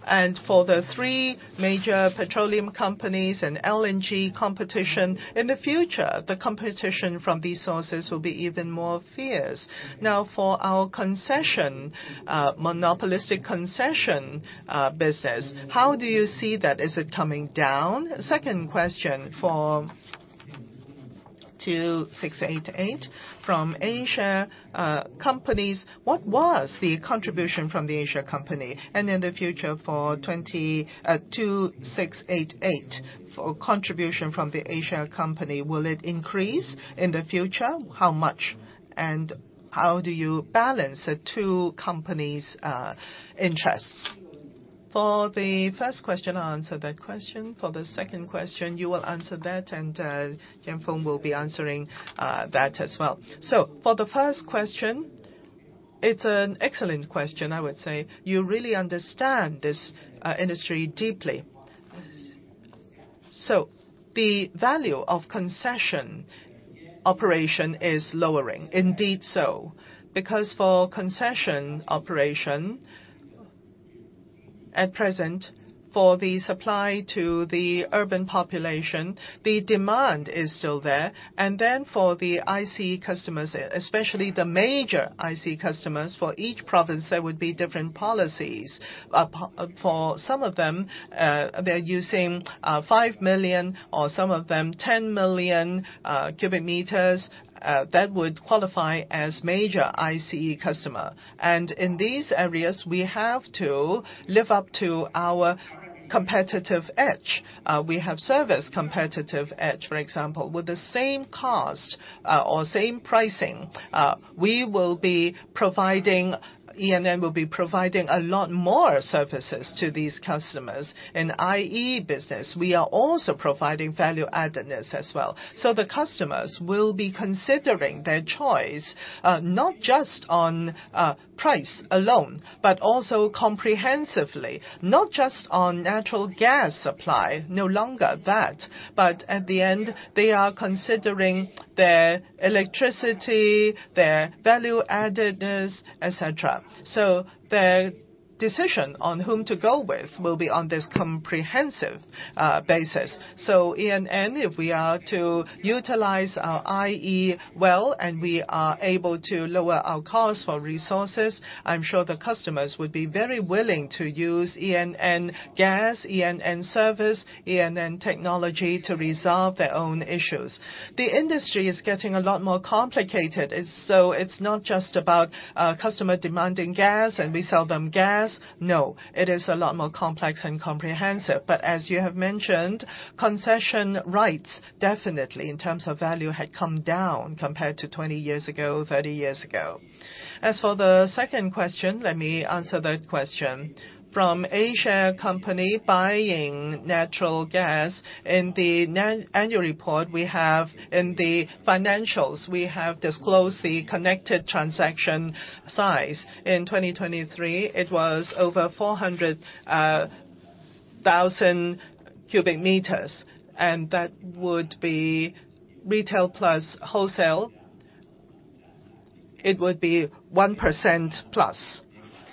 and for the three major petroleum companies and LNG competition? In the future, the competition from these sources will be even more fierce. Now, for our concession monopolistic concession business, how do you see that? Is it coming down? Second question for 2688 from A-share company. What was the contribution from the A-share company? And in the future, for 2688, for contribution from the A-share company, will it increase in the future? How much? And how do you balance the two companies' interests? For the first question, I'll answer that question. For the second question, you will answer that. And Jianfeng will be answering that as well. So for the first question, it's an excellent question, I would say. You really understand this industry deeply. So the value of concession operation is lowering. Indeed, so. Because for concession operation at present, for the supply to the urban population, the demand is still there. And then for the IC customers, especially the major IC customers, for each province, there would be different policies. For some of them, they're using 5 million or some of them 10 million cubic meters that would qualify as major IC customer. And in these areas, we have to live up to our competitive edge. We have service competitive edge, for example. With the same cost, or same pricing, we will be providing ENN will be providing a lot more services to these customers. In IE business, we are also providing value-addedness as well. So the customers will be considering their choice, not just on price alone, but also comprehensively, not just on natural gas supply, no longer that. But at the end, they are considering their electricity, their value-addedness, etc. So their decision on whom to go with will be on this comprehensive basis. So ENN, if we are to utilize our IE well and we are able to lower our cost for resources, I'm sure the customers would be very willing to use ENN gas, ENN service, ENN technology to resolve their own issues. The industry is getting a lot more complicated. It's so it's not just about customer demanding gas and we sell them gas. No. It is a lot more complex and comprehensive. But as you have mentioned, concession rights, definitely, in terms of value, had come down compared to 20 years ago, 30 years ago. As for the second question, let me answer that question. From A-share company buying natural gas, in the annual report, we have in the financials, we have disclosed the connected transaction size. In 2023, it was over 400,000 cubic meters. And that would be retail plus wholesale, it would be 1% plus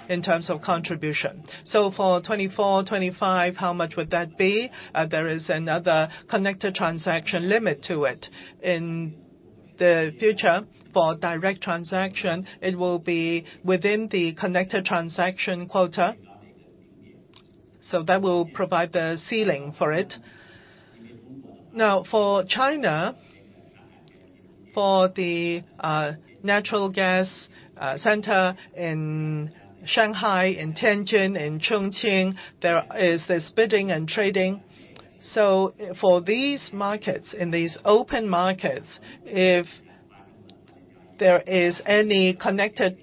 in terms of contribution. So for 2024, 2025, how much would that be? There is another connected transaction limit to it. In the future, for direct transaction, it will be within the connected transaction quota. So that will provide the ceiling for it. Now, for China, for the natural gas center in Shanghai, in Tianjin, in Chongqing, there is this bidding and trading. So for these markets, in these open markets, if there is any connected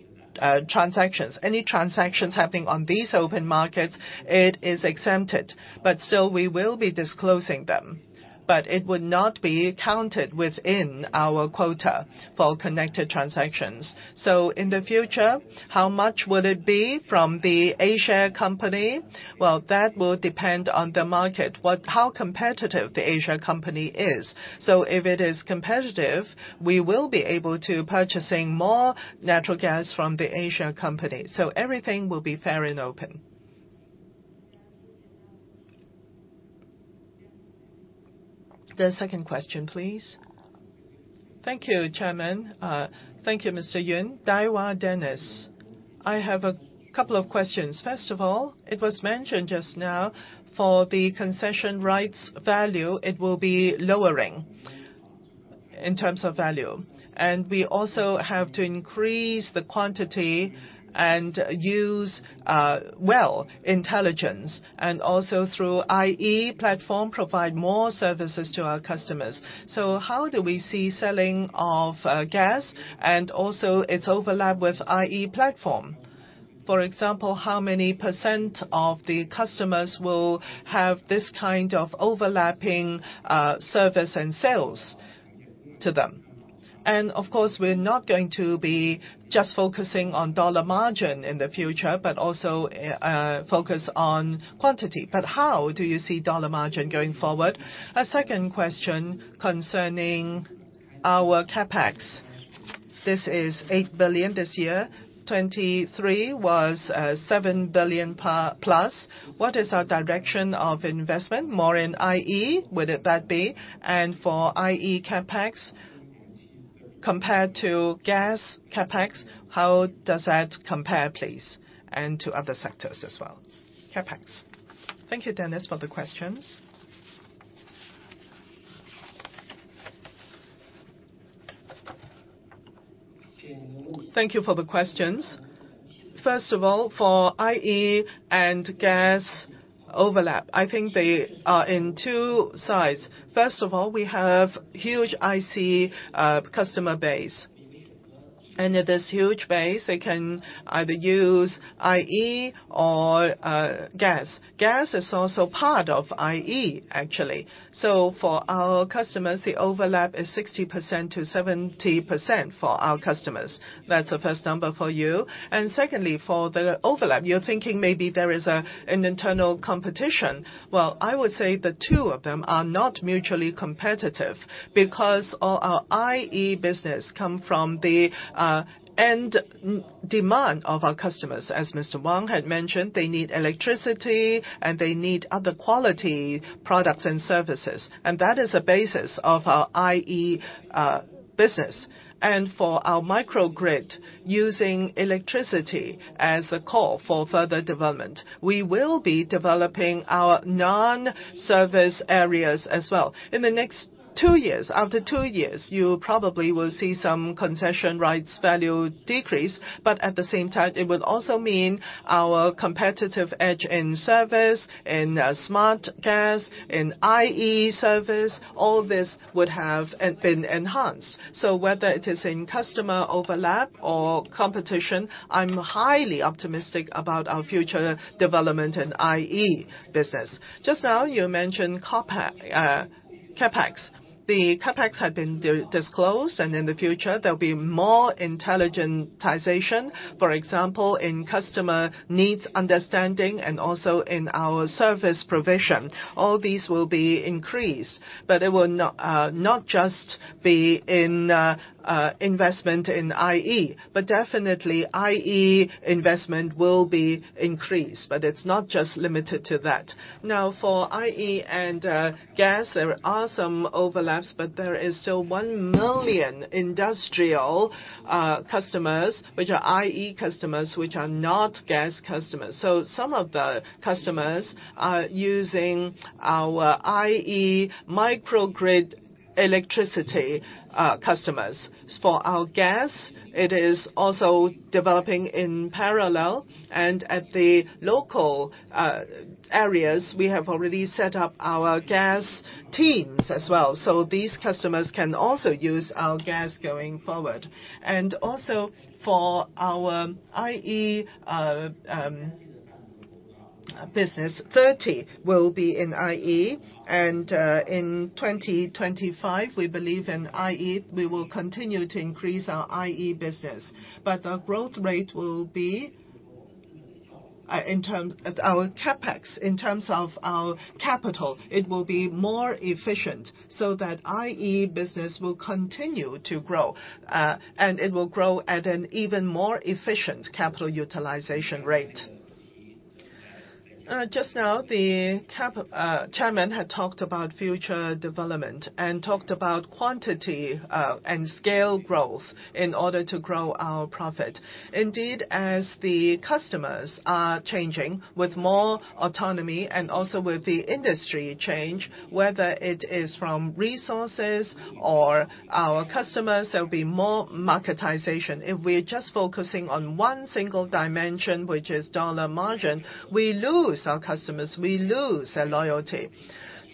transactions, any transactions happening on these open markets, it is exempted. But still, we will be disclosing them. But it would not be counted within our quota for connected transactions. So in the future, how much would it be from the Asia company? Well, that will depend on the market, what how competitive the Asia company is. So if it is competitive, we will be able to purchase more natural gas from the Asia company. So everything will be fair and open. The second question, please. Thank you, Chairman. Thank you, Mr. Yun. Daiwa Dennis, I have a couple of questions. First of all, it was mentioned just now, for the concession rights value, it will be lowering in terms of value. We also have to increase the quantity and use, well, intelligence and also through IE platform provide more services to our customers. So how do we see selling of gas and also its overlap with IE platform? For example, how many % of the customers will have this kind of overlapping service and sales to them? And of course, we're not going to be just focusing on dollar margin in the future, but also focus on quantity. But how do you see dollar margin going forward? A second question concerning our CapEx. This is 8 billion this year. 2023 was 7 billion pa plus. What is our direction of investment? More in IE? Would it that be? And for IE CapEx compared to gas CapEx, how does that compare, please, and to other sectors as well? CapEx. Thank you, Dennis, for the questions. Thank you for the questions. First of all, for IE and gas overlap, I think they are in two sides. First of all, we have huge user customer base. And in this huge base, they can either use IE or gas. Gas is also part of IE, actually. So for our customers, the overlap is 60%-70% for our customers. That's the first number for you. And secondly, for the overlap, you're thinking maybe there is an internal competition. Well, I would say the two of them are not mutually competitive because all our IE business come from the end demand of our customers. As Mr. Wang had mentioned, they need electricity, and they need other quality products and services. And that is a basis of our IE business. And for our microgrid, using electricity as the core for further development, we will be developing our non-service areas as well. In the next two years, after two years, you probably will see some concession rights value decrease. But at the same time, it would also mean our competitive edge in service, in smart gas, in IE service; all this would have been enhanced. So whether it is in customer overlap or competition, I'm highly optimistic about our future development in IE business. Just now, you mentioned CapEx. The CapEx had been disclosed. And in the future, there'll be more intelligentization, for example, in customer needs understanding and also in our service provision. All these will be increased. But it will not just be in investment in IE, but definitely IE investment will be increased. But it's not just limited to that. Now, for IE and gas, there are some overlaps, but there is still 1 million industrial customers, which are IE customers, which are not gas customers. So some of the customers are using our IE microgrid electricity, customers. For our gas, it is also developing in parallel. And at the local areas, we have already set up our gas teams as well. So these customers can also use our gas going forward. And also, for our IE business, 30 will be in IE. And, in 2025, we believe in IE, we will continue to increase our IE business. But the growth rate will be, in terms of our CapEx, in terms of our capital, it will be more efficient so that IE business will continue to grow. And it will grow at an even more efficient capital utilization rate. Just now, the Chairman had talked about future development and talked about quantity and scale growth in order to grow our profit. Indeed, as the customers are changing with more autonomy and also with the industry change, whether it is from resources or our customers, there'll be more marketization. If we're just focusing on one single dimension, which is dollar margin, we lose our customers. We lose their loyalty.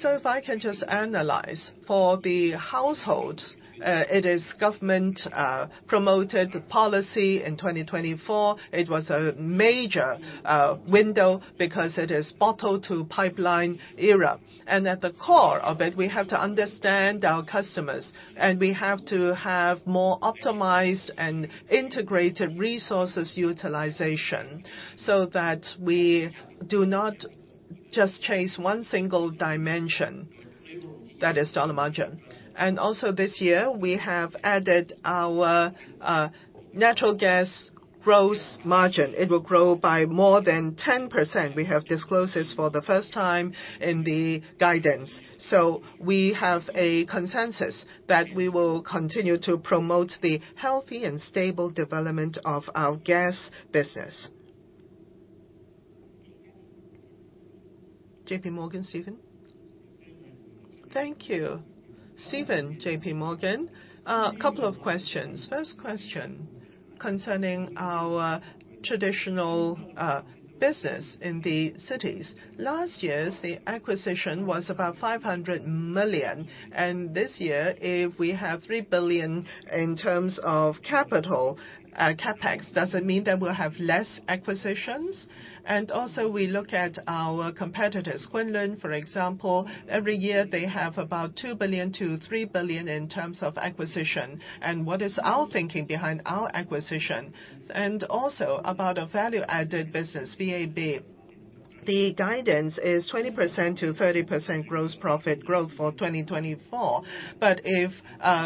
So if I can just analyze, for the households, it is government-promoted policy in 2024. It was a major window because it is bottle-to-pipeline era. And at the core of it, we have to understand our customers. And we have to have more optimized and integrated resources utilization so that we do not just chase one single dimension. That is dollar margin. And also, this year, we have added our natural gas gross margin. It will grow by more than 10%. We have disclosed this for the first time in the guidance. So we have a consensus that we will continue to promote the healthy and stable development of our gas business. J.P. Morgan, Steven. Thank you, Steven, J.P. Morgan. A couple of questions. First question concerning our traditional business in the cities. Last year, the acquisition was about 500 million. And this year, if we have 3 billion in terms of capital CapEx, does it mean that we'll have less acquisitions? And also, we look at our competitors, Kunlun, for example. Every year, they have about 2 billion-3 billion in terms of acquisition. And what is our thinking behind our acquisition? And also about a value-added business, VAB. The guidance is 20%-30% gross profit growth for 2024. But if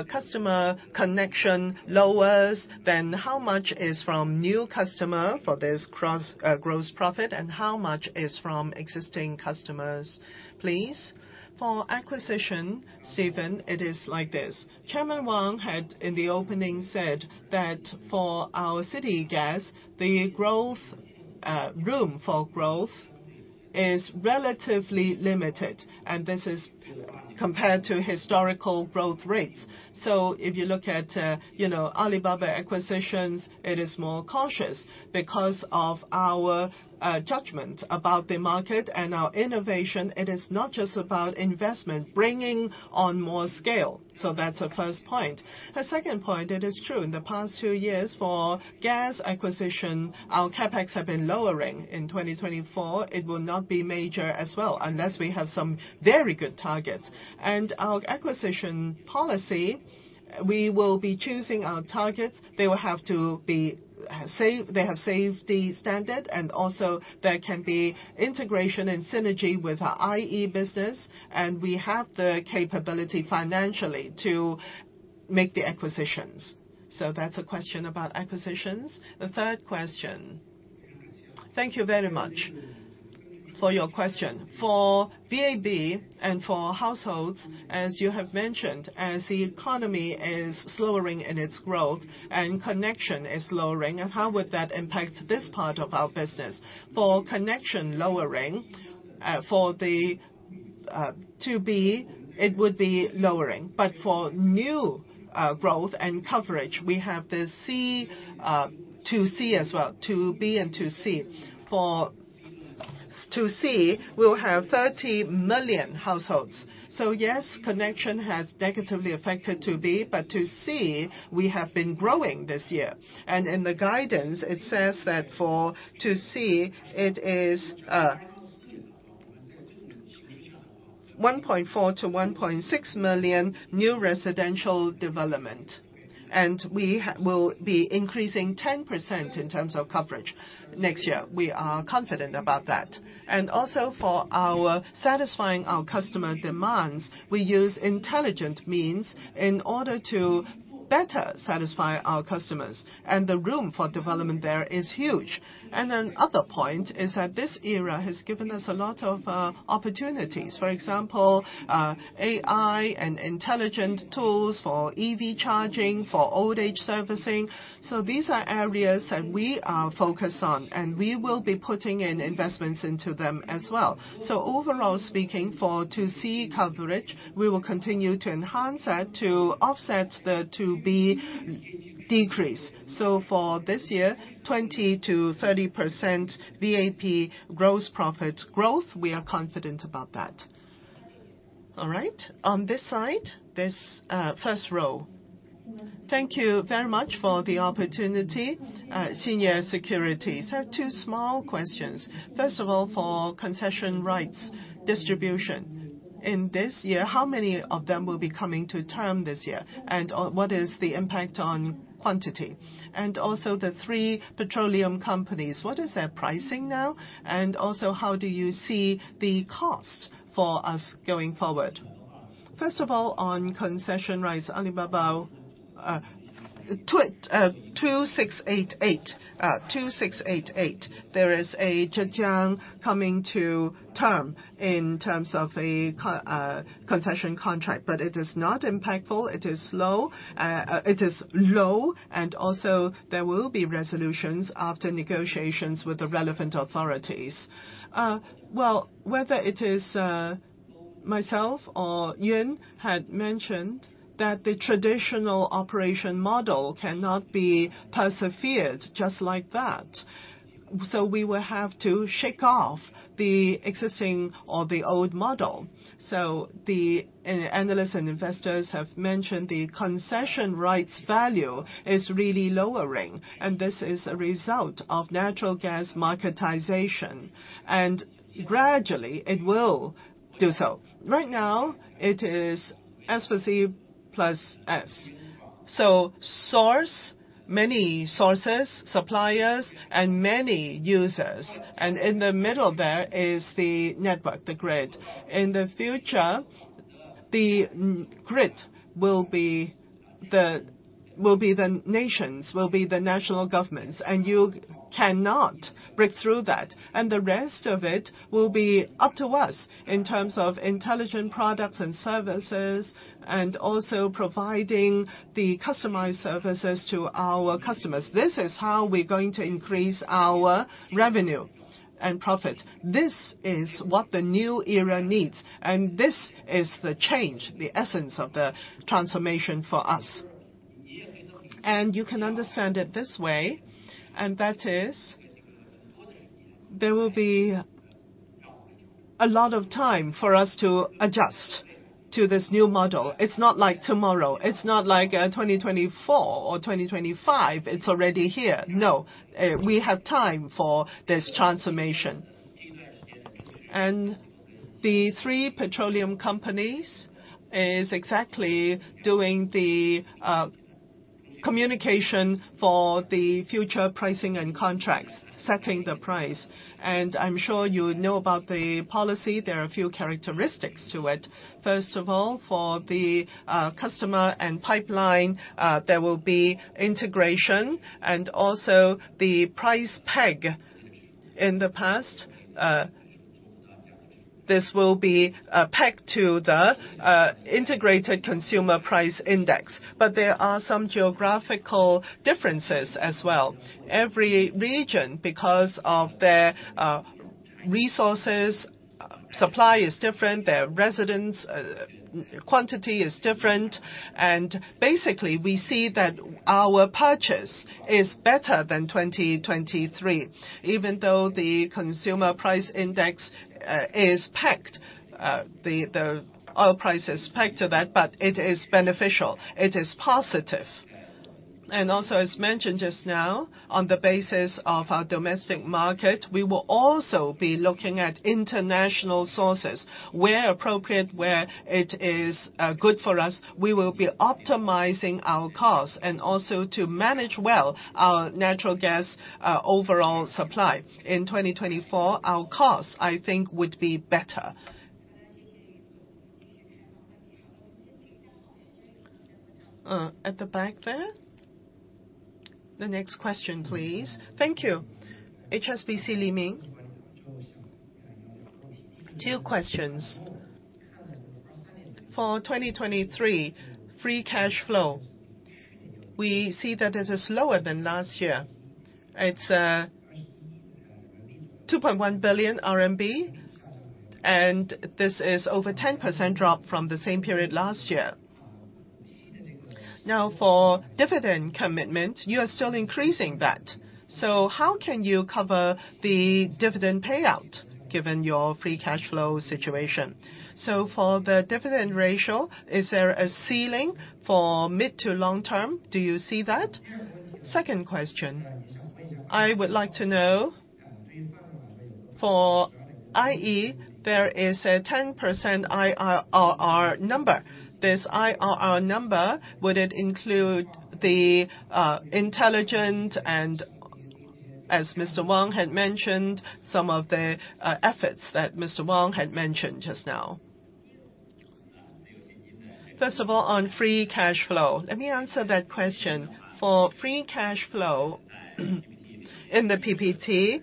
customer connection lowers, then how much is from new customer for this growth gross profit, and how much is from existing customers, please? For acquisition, Steven, it is like this. Chairman Wang had, in the opening, said that for our city gas, the growth room for growth is relatively limited. This is compared to historical growth rates. If you look at, you know, Alibaba acquisitions, it is more cautious because of our judgment about the market and our innovation. It is not just about investment, bringing on more scale. That's a first point. A second point, it is true. In the past two years, for gas acquisition, our CapEx have been lowering. In 2024, it will not be major as well unless we have some very good targets. Our acquisition policy, we will be choosing our targets. They will have to be safe. They have safety standard. Also, there can be integration and synergy with our IE business. We have the capability financially to make the acquisitions. So that's a question about acquisitions. The third question. Thank you very much for your question. For VAB and for households, as you have mentioned, as the economy is slowing in its growth and connection is lowering, and how would that impact this part of our business? For connection lowering, for the B2B, it would be lowering. But for new growth and coverage, we have this C, B2C as well, B2B and B2C. For B2C, we'll have 30 million households. So yes, connection has negatively affected B2B. But B2C, we have been growing this year. And in the guidance, it says that for B2C, it is 1.4-1.6 million new residential development. And we will be increasing 10% in terms of coverage next year. We are confident about that. And also, for our satisfying our customer demands, we use intelligent means in order to better satisfy our customers. The room for development there is huge. Another point is that this era has given us a lot of opportunities. For example, AI and intelligent tools for EV charging, for old-age servicing. These are areas that we are focused on. And we will be putting in investments into them as well. Overall speaking, for 2C coverage, we will continue to enhance that to offset the 2B decrease. For this year, 20%-30% VAB gross profit growth, we are confident about that. All right. On this side, this first row. Thank you very much for the opportunity, Senior Securities. I have two small questions. First of all, for concession rights distribution in this year, how many of them will be coming to term this year? And what is the impact on quantity? And also, the three petroleum companies, what is their pricing now? And also, how do you see the cost for us going forward? First of all, on concession rights, Alibaba with 2688, there is a Zhejiang coming to term in terms of a concession contract. But it is not impactful. It is slow. It is low. And also, there will be resolutions after negotiations with the relevant authorities. Well, whether it is myself or Yuan had mentioned that the traditional operation model cannot be persevered just like that. So we will have to shake off the existing or the old model. So the analysts and investors have mentioned the concession rights value is really lowering. And this is a result of natural gas marketization. And gradually, it will do so. Right now, it is SVC PLUS S. So source, many sources, suppliers, and many users. And in the middle there is the network, the grid. In the future, the grid will be the nation's, will be the national governments. And you cannot break through that. And the rest of it will be up to us in terms of intelligent products and services and also providing the customized services to our customers. This is how we're going to increase our revenue and profit. This is what the new era needs. And this is the change, the essence of the transformation for us. And you can understand it this way. And that is, there will be a lot of time for us to adjust to this new model. It's not like tomorrow. It's not like 2024 or 2025. It's already here. No, we have time for this transformation. And the three petroleum companies is exactly doing the communication for the future pricing and contracts, setting the price. I'm sure you know about the policy. There are a few characteristics to it. First of all, for the customer and pipeline, there will be integration. Also, the price peg in the past, this will be pegged to the Integrated Consumer Price Index. But there are some geographical differences as well. Every region, because of their resources, supply is different. Their residents, quantity is different. Basically, we see that our purchase is better than 2023, even though the Consumer Price Index is pegged. The oil price is pegged to that. But it is beneficial. It is positive. Also, as mentioned just now, on the basis of our domestic market, we will also be looking at international sources, where appropriate, where it is good for us. We will be optimizing our costs and also to manage well our natural gas, overall supply. In 2024, our costs, I think, would be better at the back there. The next question, please. Thank you. HSBC, Li Ming. Two questions. For 2023, free cash flow, we see that it is lower than last year. It's 2.1 billion RMB. And this is over a 10% drop from the same period last year. Now, for dividend commitment, you are still increasing that. So how can you cover the dividend payout given your free cash flow situation? So for the dividend ratio, is there a ceiling for mid to long term? Do you see that? Second question. I would like to know, for IE, there is a 10% IRR number. This IRR number, would it include the intelligent and, as Mr. Wang had mentioned, some of the efforts that Mr. Wang had mentioned just now? First of all, on free cash flow, let me answer that question. For free cash flow in the PPT,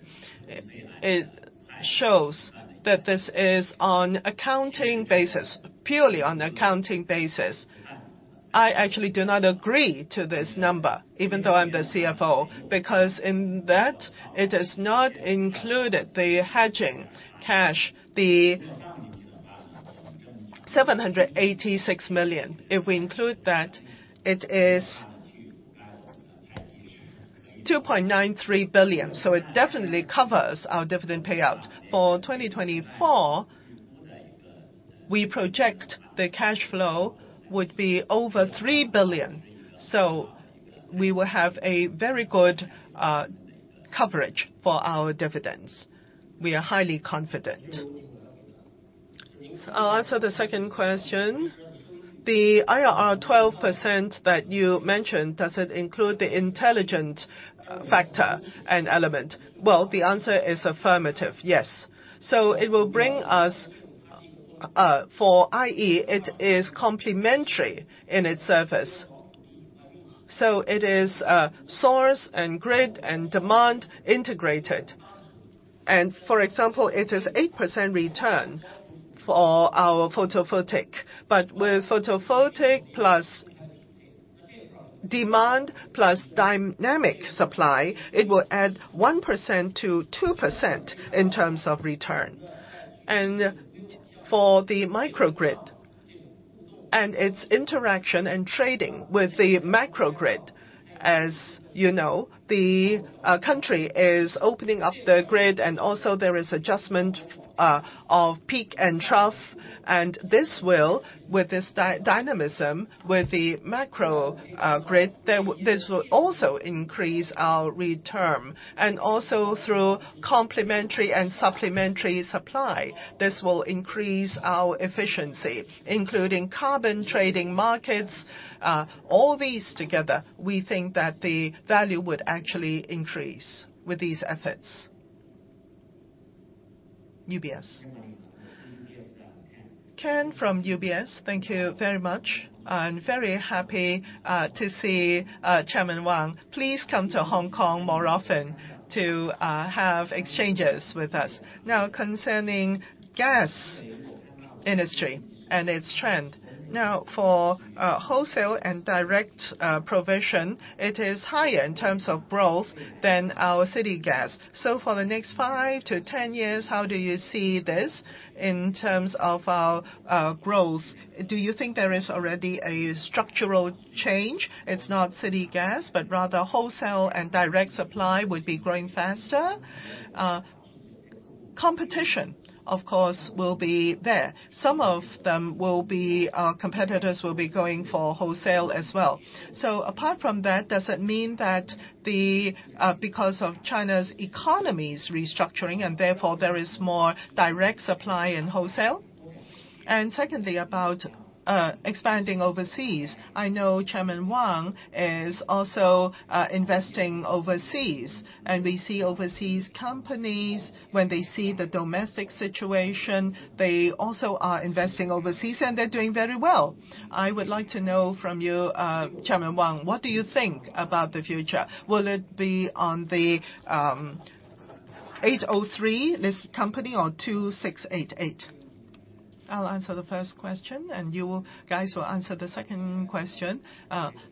it shows that this is on accounting basis, purely on accounting basis. I actually do not agree to this number, even though I'm the CFO, because in that, it is not included the hedging cash, the 786 million. If we include that, it is 2.93 billion. So it definitely covers our dividend payout. For 2024, we project the cash flow would be over 3 billion. So we will have a very good coverage for our dividends. We are highly confident. I'll answer the second question. The IRR 12% that you mentioned, does it include the intelligent factor and element? Well, the answer is affirmative, yes. So it will bring us, for IE, it is complementary in its service. So it is, source and grid and demand integrated. And for example, it is 8% return for our photovoltaic. But with photovoltaic plus demand plus dynamic supply, it will add 1%-2% in terms of return. And for the microgrid and its interaction and trading with the macrogrid, as you know, the country is opening up the grid. And also, there is adjustment of peak and trough. And this will, with this dynamism with the macro grid, this will also increase our return. And also, through complementary and supplementary supply, this will increase our efficiency, including carbon trading markets. All these together, we think that the value would actually increase with these efforts. UBS. Ken from UBS. Thank you very much. I'm very happy to see Chairman Wang please come to Hong Kong more often to have exchanges with us. Now, concerning gas industry and its trend, now for wholesale and direct provision, it is higher in terms of growth than our city gas. So for the next 5-10 years, how do you see this in terms of our growth? Do you think there is already a structural change? It's not city gas, but rather wholesale and direct supply would be growing faster. Competition, of course, will be there. Some of them will be. Competitors will be going for wholesale as well. So apart from that, does it mean that because of China's economy's restructuring, and therefore there is more direct supply in wholesale? And secondly, about expanding overseas, I know Chairman Wang is also investing overseas. And we see overseas companies. When they see the domestic situation, they also are investing overseas. And they're doing very well. I would like to know from you, Chairman Wang, what do you think about the future? Will it be on the 803 listed company or 2688? I'll answer the first question. You guys will answer the second question.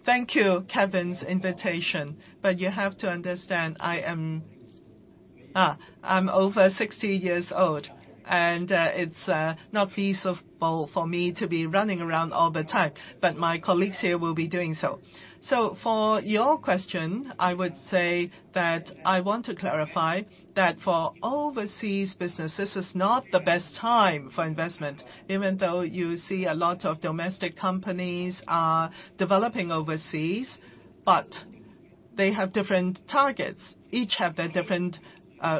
Thank you, Kevin's invitation. But you have to understand, I'm over 60 years old. It's not feasible for me to be running around all the time. But my colleagues here will be doing so. For your question, I would say that I want to clarify that for overseas business, this is not the best time for investment, even though you see a lot of domestic companies are developing overseas. But they have different targets, each have their different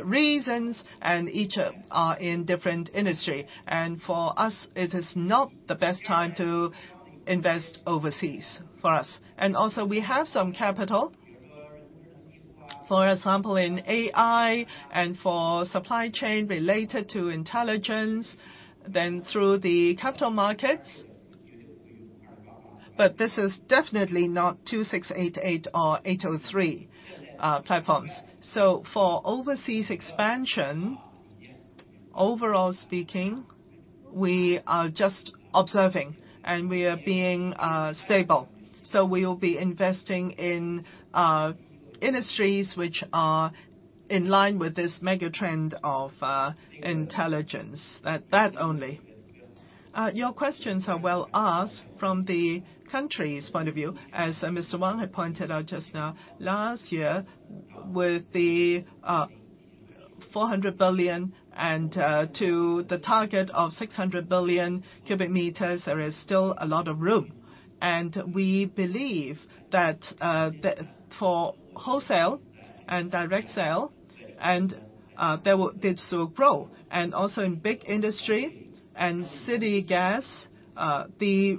reasons, and each are in different industry. For us, it is not the best time to invest overseas for us. Also, we have some capital, for example, in AI and for supply chain related to intelligence, then through the capital markets. But this is definitely not 2688 or 803 platforms. So for overseas expansion, overall speaking, we are just observing. We are being stable. So we will be investing in industries which are in line with this megatrend of intelligence, that, that only. Your questions are well asked from the country's point of view, as Mr. Wang had pointed out just now. Last year, with the 400 billion and to the target of 600 billion cubic meters, there is still a lot of room. We believe that, that for wholesale and direct sale, and there will this will grow. Also, in big industry and city gas, the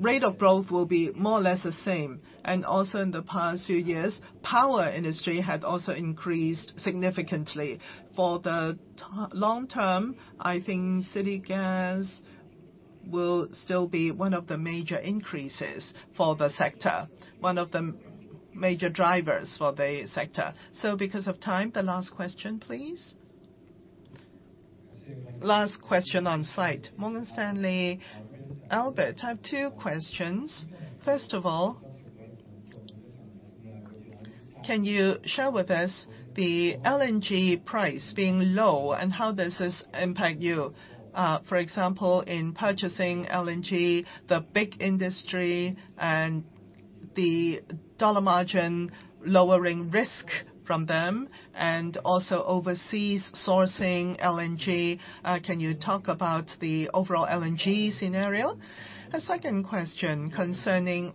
rate of growth will be more or less the same. Also, in the past few years, power industry had also increased significantly. For the long term, I think city gas will still be one of the major increases for the sector, one of the major drivers for the sector. So because of time, the last question, please. Last question on site. Morgan Stanley, Albert, I have two questions. First of all, can you share with us the LNG price being low and how this has impacted you, for example, in purchasing LNG, the big industry, and the dollar margin lowering risk from them, and also overseas sourcing LNG? Can you talk about the overall LNG scenario? A second question concerning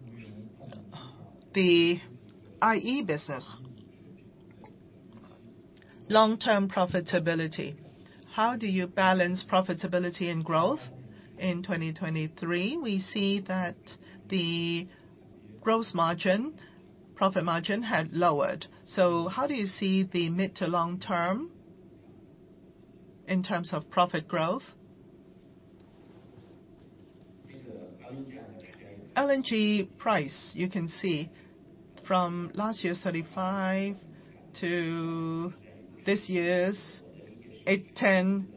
the IE business. Long-term profitability, how do you balance profitability and growth in 2023? We see that the gross margin, profit margin had lowered. So how do you see the mid to long term in terms of profit growth? LNG price, you can see from last year's 35 to this year's 810,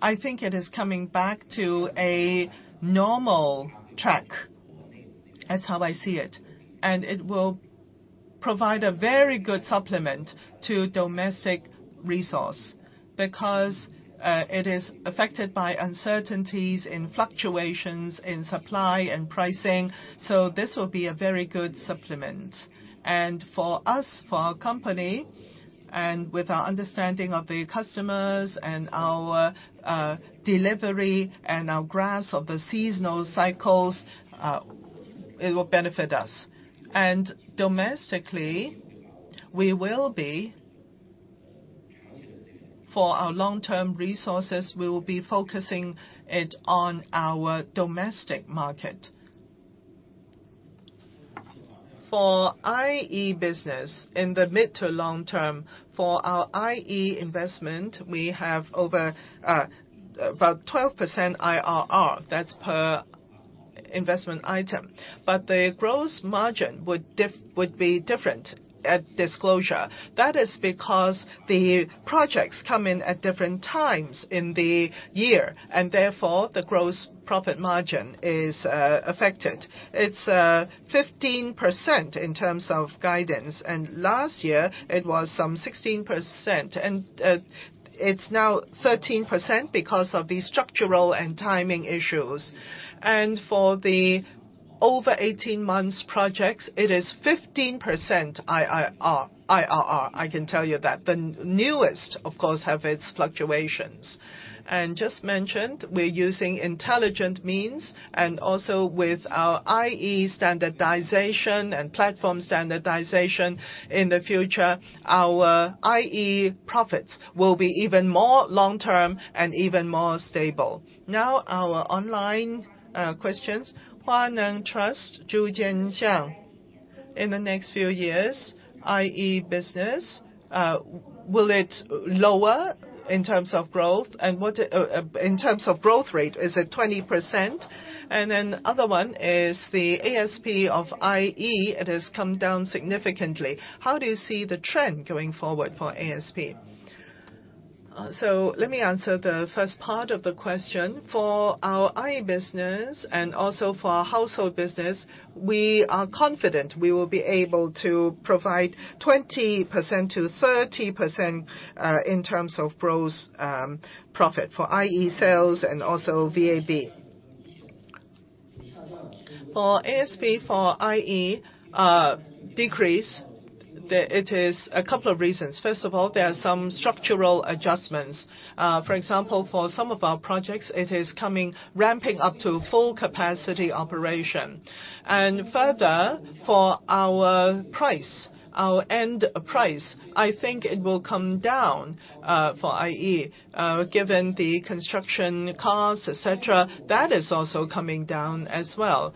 I think it is coming back to a normal track. That's how I see it. It will provide a very good supplement to domestic resources because it is affected by uncertainties in fluctuations in supply and pricing. So this will be a very good supplement. For us, for our company, and with our understanding of the customers and our delivery and our grasp of the seasonal cycles, it will benefit us. Domestically, we will be for our long-term resources, we will be focusing it on our domestic market. For IE business in the mid to long term, for our IE investment, we have over about 12% IRR. That's per investment item. But the gross margin would be different at disclosure. That is because the projects come in at different times in the year. Therefore, the gross profit margin is affected. It's 15% in terms of guidance. Last year, it was some 16%. It's now 13% because of these structural and timing issues. For the over 18 months projects, it is 15% IRR. I can tell you that. The newest, of course, have its fluctuations. Just mentioned, we're using intelligent means. Also, with our IE standardization and platform standardization in the future, our IE profits will be even more long term and even more stable. Now, online questions. Huaneng Guicheng Trust, Zhu Jian Xiang. In the next few years, IE business, will it lower in terms of growth? And what in terms of growth rate, is it 20%? And then other one is the ASP of IE. It has come down significantly. How do you see the trend going forward for ASP? So let me answer the first part of the question. For our IE business and also for our household business, we are confident we will be able to provide 20%-30% in terms of gross profit for IE sales and also VAB. For ASP for IE decrease, there it is a couple of reasons. First of all, there are some structural adjustments. For example, for some of our projects, it is coming ramping up to full capacity operation. Further, for our price, our end price, I think it will come down for IE, given the construction costs, etc. That is also coming down as well.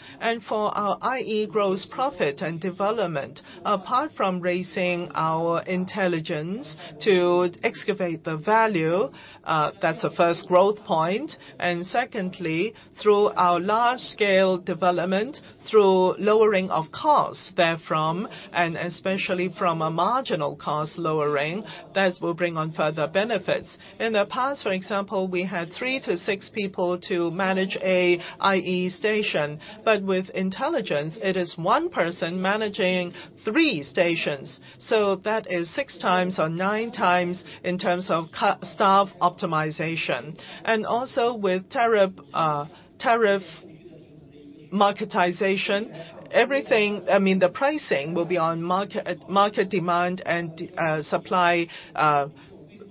For our IE gross profit and development, apart from raising our intelligence to excavate the value, that's a first growth point. Secondly, through our large-scale development, through lowering of costs therefrom, and especially from a marginal cost lowering, that will bring on further benefits. In the past, for example, we had 3-6 people to manage an IE station. But with intelligence, it is one person managing three stations. So that is 6 times or 9 times in terms of true staff optimization. And also, with tariff marketization, everything I mean, the pricing will be on market demand and supply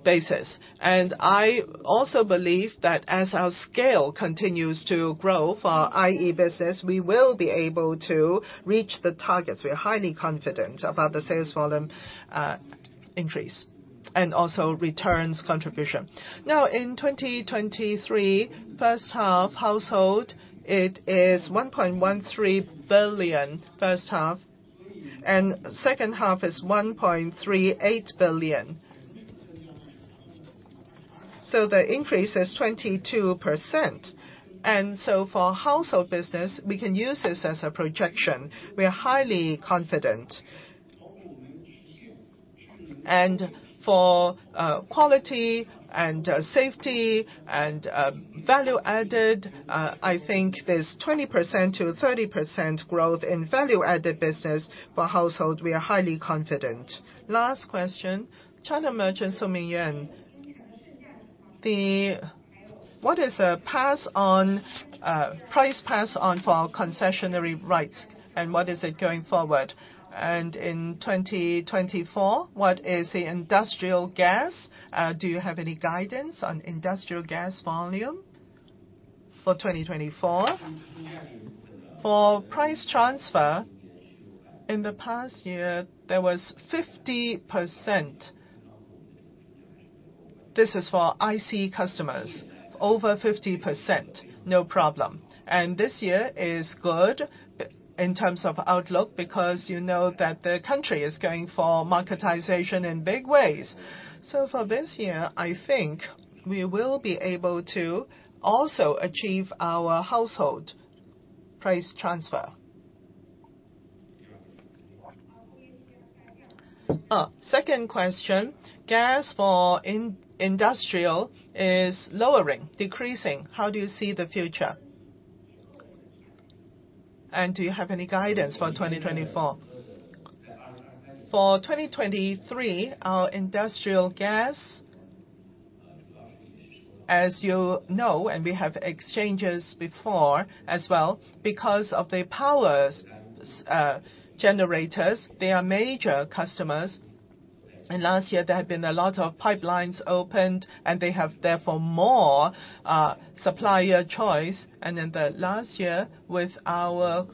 basis. And I also believe that as our scale continues to grow for IE business, we will be able to reach the targets. We are highly confident about the sales volume increase and also returns contribution. Now, in 2023, first half household, it is 1.13 billion first half. And second half is 1.38 billion. So the increase is 22%. And so for household business, we can use this as a projection. We are highly confident. For quality and safety and value added, I think there's 20%-30% growth in value added business for household. We are highly confident. Last question. China Merchants So Min Yuan. What is the pass-on price pass-on for our concession rights? And what is it going forward? And in 2024, what is the industrial gas? Do you have any guidance on industrial gas volume for 2024? For price transfer, in the past year, there was 50%. This is for IC customers, over 50%, no problem. And this year is good in terms of outlook because, you know, that the country is going for marketization in big ways. So for this year, I think we will be able to also achieve our household price transfer. Second question. Gas for industrial is lowering, decreasing. How do you see the future? And do you have any guidance for 2024? For 2023, our industrial gas, as you know, and we have exchanges before as well, because of the power generators, they are major customers. Last year, there have been a lot of pipelines opened. And they have therefore more supplier choice. Then last year, with our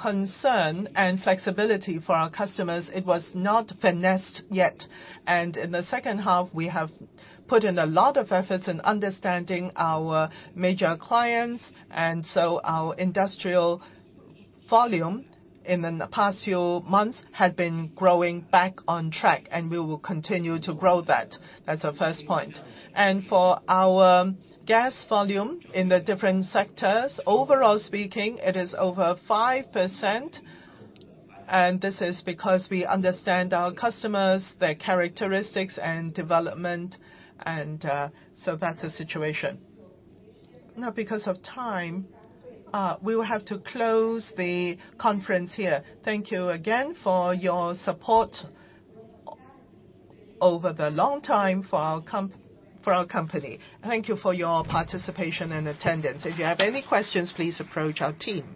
concern and flexibility for our customers, it was not finessed yet. In the second half, we have put in a lot of efforts in understanding our major clients. And so our industrial volume in the past few months had been growing back on track. And we will continue to grow that. That's the first point. For our gas volume in the different sectors, overall speaking, it is over 5%. This is because we understand our customers, their characteristics, and development. So that's the situation. Now, because of time, we will have to close the conference here. Thank you again for your support over the long time for our company. Thank you for your participation and attendance. If you have any questions, please approach our team.